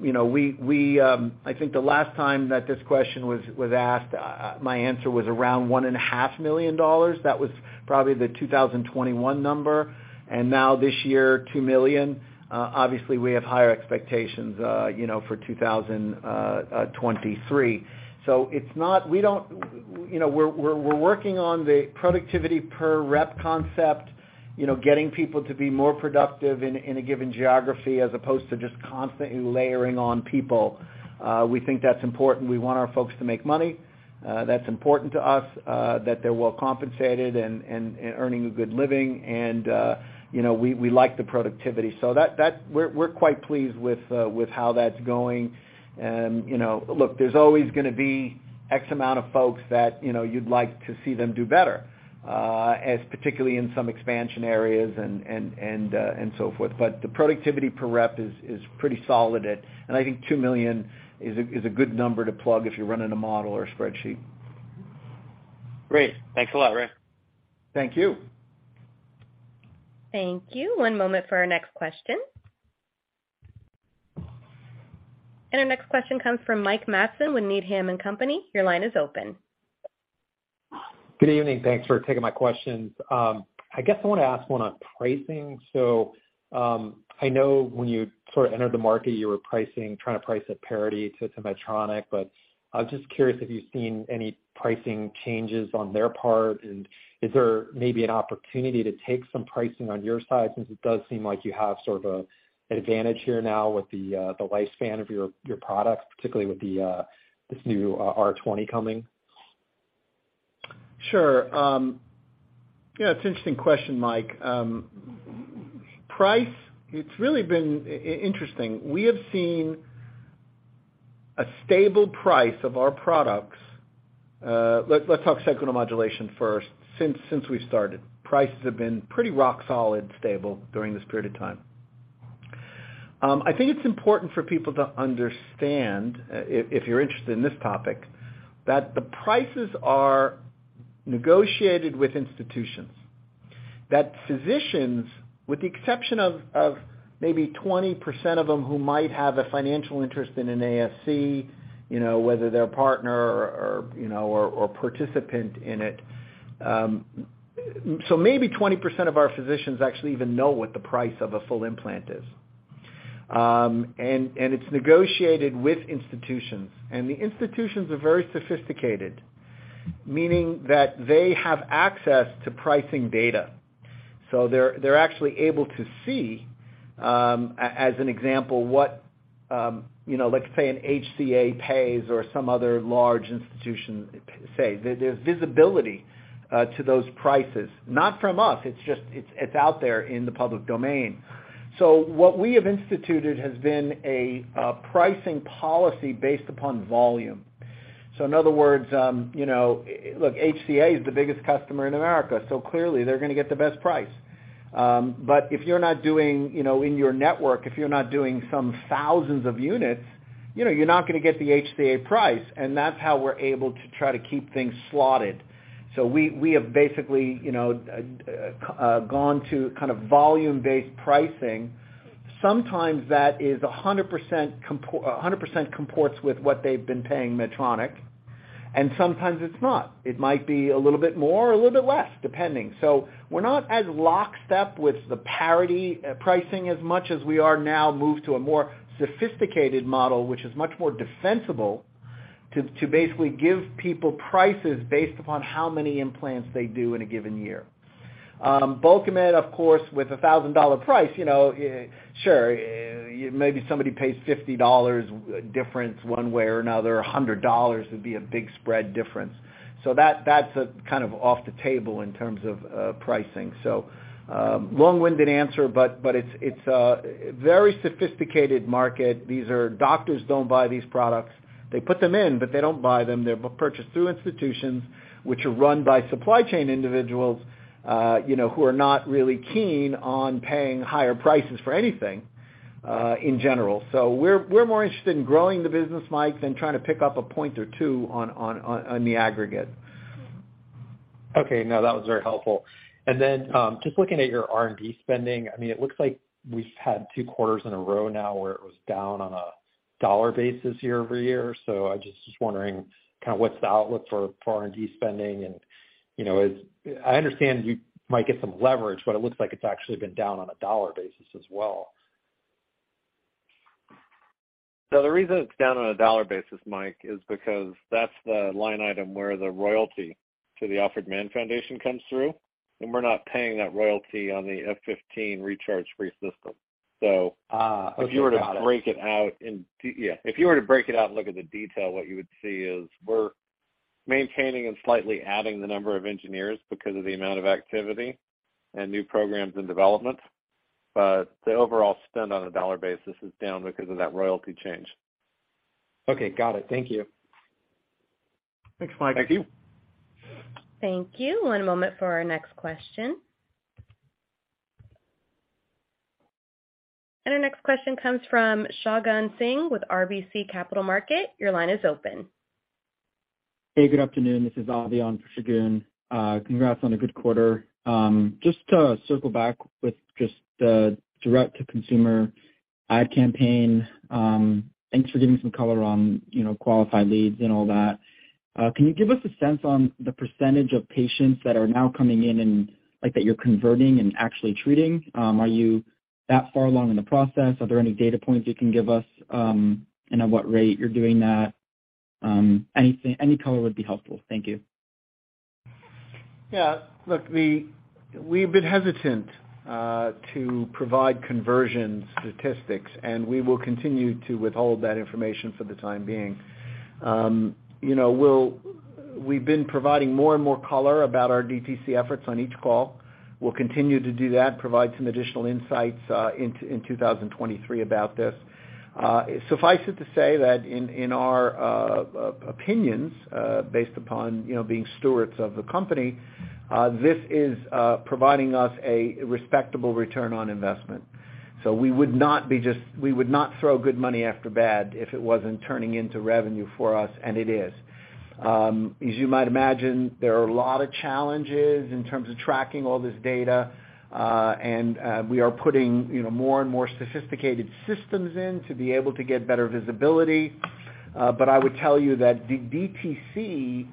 You know, I think the last time that this question was asked, my answer was around $1.5 million. That was probably the 2021 number. Now this year, $2 million. Obviously, we have higher expectations, you know, for 2023. It's not. We don't, you know, we're working on the productivity per rep concept, you know, getting people to be more productive in a given geography as opposed to just constantly layering on people. We think that's important. We want our folks to make money. That's important to us, that they're well compensated and earning a good living. We like the productivity. So that. We're quite pleased with how that's going. You know, look, there's always gonna be X amount of folks that, you know, you'd like to see them do better, as particularly in some expansion areas and so forth. The productivity per rep is pretty solid at. I think $2 million is a good number to plug if you're running a model or a spreadsheet. Great. Thanks a lot, Ray. Thank you. Thank you. One moment for our next question. Our next question comes from Mike Matson with Needham & Company. Your line is open. Good evening. Thanks for taking my questions. I guess I wanna ask one on pricing. I know when you sort of entered the market, you were pricing, trying to price at parity to Medtronic. I was just curious, have you seen any pricing changes on their part? Is there maybe an opportunity to take some pricing on your side, since it does seem like you have sort of a advantage here now with the lifespan of your products, particularly with this new R20 coming? Sure. Yeah, it's an interesting question, Mike. Price, it's really been interesting. We have seen a stable price of our products. Let's talk sacral neuromodulation first. Since we started, prices have been pretty rock solid, stable during this period of time. I think it's important for people to understand, if you're interested in this topic, that the prices are negotiated with institutions. Physicians, with the exception of maybe 20% of them who might have a financial interest in an ASC, you know, whether they're a partner or participant in it. So maybe 20% of our physicians actually even know what the price of a full implant is. It's negotiated with institutions. The institutions are very sophisticated, meaning that they have access to pricing data. They're actually able to see, as an example, what, you know, let's say an HCA pays or some other large institution, say. There's visibility to those prices, not from us. It's just, it's out there in the public domain. What we have instituted has been a pricing policy based upon volume. In other words, you know, look, HCA is the biggest customer in America, so clearly they're gonna get the best price. But if you're not doing, you know, in your network, if you're not doing some thousands of units, you know, you're not gonna get the HCA price, and that's how we're able to try to keep things slotted. We have basically, you know, gone to kind of volume-based pricing. Sometimes that is 100% comports with what they've been paying Medtronic, and sometimes it's not. It might be a little bit more or a little bit less, depending. We're not as lockstep with the parity pricing as much as we are now moved to a more sophisticated model, which is much more defensible to basically give people prices based upon how many implants they do in a given year. Bulkamid, of course, with a $1,000 price, you know, sure, maybe somebody pays $50 difference one way or another. $100 would be a big spread difference. That's kind of off the table in terms of pricing. Long-winded answer, but it's a very sophisticated market. Doctors don't buy these products. They put them in, but they don't buy them. They're purchased through institutions, which are run by supply chain individuals, you know, who are not really keen on paying higher prices for anything, in general. We're more interested in growing the business, Mike, than trying to pick up a point or two on the aggregate. Okay. No, that was very helpful. Just looking at your R&D spending, I mean, it looks like we've had two quarters in a row now where it was down on a dollar basis year-over-year. I just was wondering kind of what's the outlook for R&D spending and, you know, I understand you might get some leverage, but it looks like it's actually been down on a dollar basis as well. The reason it's down on a dollar basis, Mike, is because that's the line item where the royalty to the Alfred Mann Foundation comes through, and we're not paying that royalty on the F15 recharge free system. Okay. Got it. If you were to break it out and look at the detail, what you would see is we're maintaining and slightly adding the number of engineers because of the amount of activity and new programs and development. The overall spend on a dollar basis is down because of that royalty change. Okay, got it. Thank you. Thanks, Mike. Thank you. Thank you. One moment for our next question. Our next question comes from Shagun Singh with RBC Capital Markets. Your line is open. Hey, good afternoon. This is Avi on for Shagun. Congrats on a good quarter. Just to circle back with just the direct to consumer ad campaign, thanks for giving some color on, you know, qualified leads and all that. Can you give us a sense on the percentage of patients that are now coming in and, like, that you're converting and actually treating? Are you that far along in the process? Are there any data points you can give us, and at what rate you're doing that? Any color would be helpful. Thank you. Yeah, look, we've been hesitant to provide conversion statistics, and we will continue to withhold that information for the time being. You know, we've been providing more and more color about our DTC efforts on each call. We'll continue to do that, provide some additional insights into in 2023 about this. Suffice it to say that in our opinions, based upon you know, being stewards of the company, this is providing us a respectable return on investment. We would not throw good money after bad if it wasn't turning into revenue for us, and it is. As you might imagine, there are a lot of challenges in terms of tracking all this data, and we are putting, you know, more and more sophisticated systems in to be able to get better visibility. I would tell you that the DTC,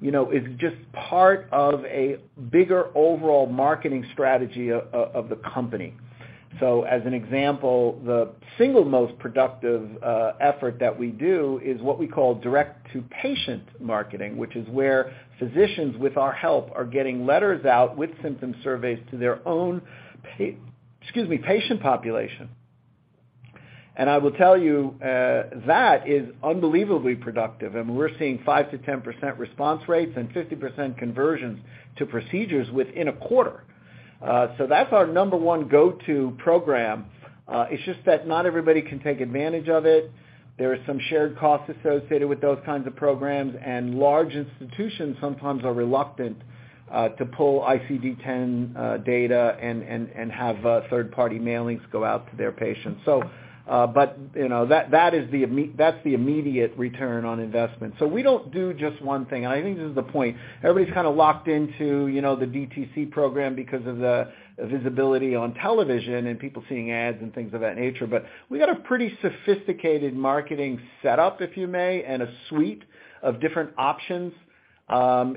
you know, is just part of a bigger overall marketing strategy of the company. As an example, the single most productive effort that we do is what we call direct to patient marketing, which is where physicians, with our help, are getting letters out with symptom surveys to their own patient population. I will tell you, that is unbelievably productive, and we're seeing 5%-10% response rates and 50% conversions to procedures within a quarter. That's our number one go-to program. It's just that not everybody can take advantage of it. There are some shared costs associated with those kinds of programs, and large institutions sometimes are reluctant to pull ICD-10 data and have third-party mailings go out to their patients. You know, that is the immediate return on investment. We don't do just one thing. I think this is the point. Everybody's kinda locked into, you know, the DTC program because of the visibility on television and people seeing ads and things of that nature. We've got a pretty sophisticated marketing setup, if you may, and a suite of different options. You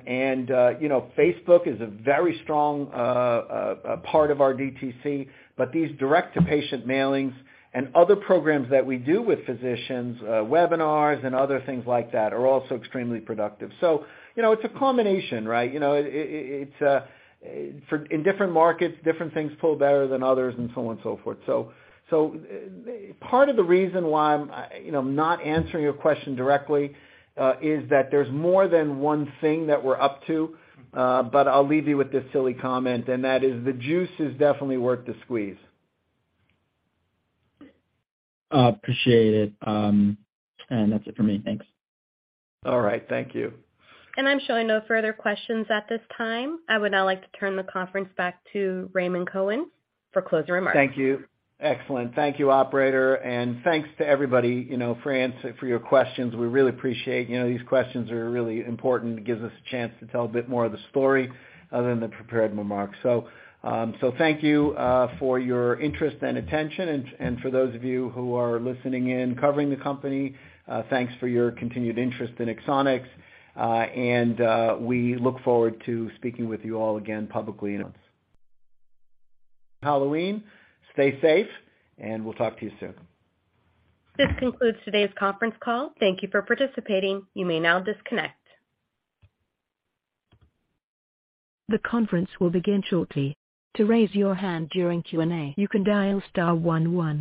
know, Facebook is a very strong part of our DTC, but these direct to patient mailings and other programs that we do with physicians, webinars and other things like that, are also extremely productive. You know, it's a combination, right? You know, it's in different markets, different things pull better than others and so on and so forth. So part of the reason why I'm, you know, I'm not answering your question directly, is that there's more than one thing that we're up to. I'll leave you with this silly comment, and that is the juice is definitely worth the squeeze. Appreciate it. That's it for me. Thanks. All right. Thank you. I'm showing no further questions at this time. I would now like to turn the conference back to Raymond Cohen for closing remarks. Thank you. Excellent. Thank you, operator, and thanks to everybody, you know, for your questions. We really appreciate. You know, these questions are really important. It gives us a chance to tell a bit more of the story other than the prepared remarks. Thank you for your interest and attention. And for those of you who are listening in, covering the company, thanks for your continued interest in Axonics, and we look forward to speaking with you all again publicly. Halloween, stay safe, and we'll talk to you soon. This concludes today's conference call. Thank you for participating. You may now disconnect. The conference will begin shortly. To raise your hand during Q&A, you can dial star one one.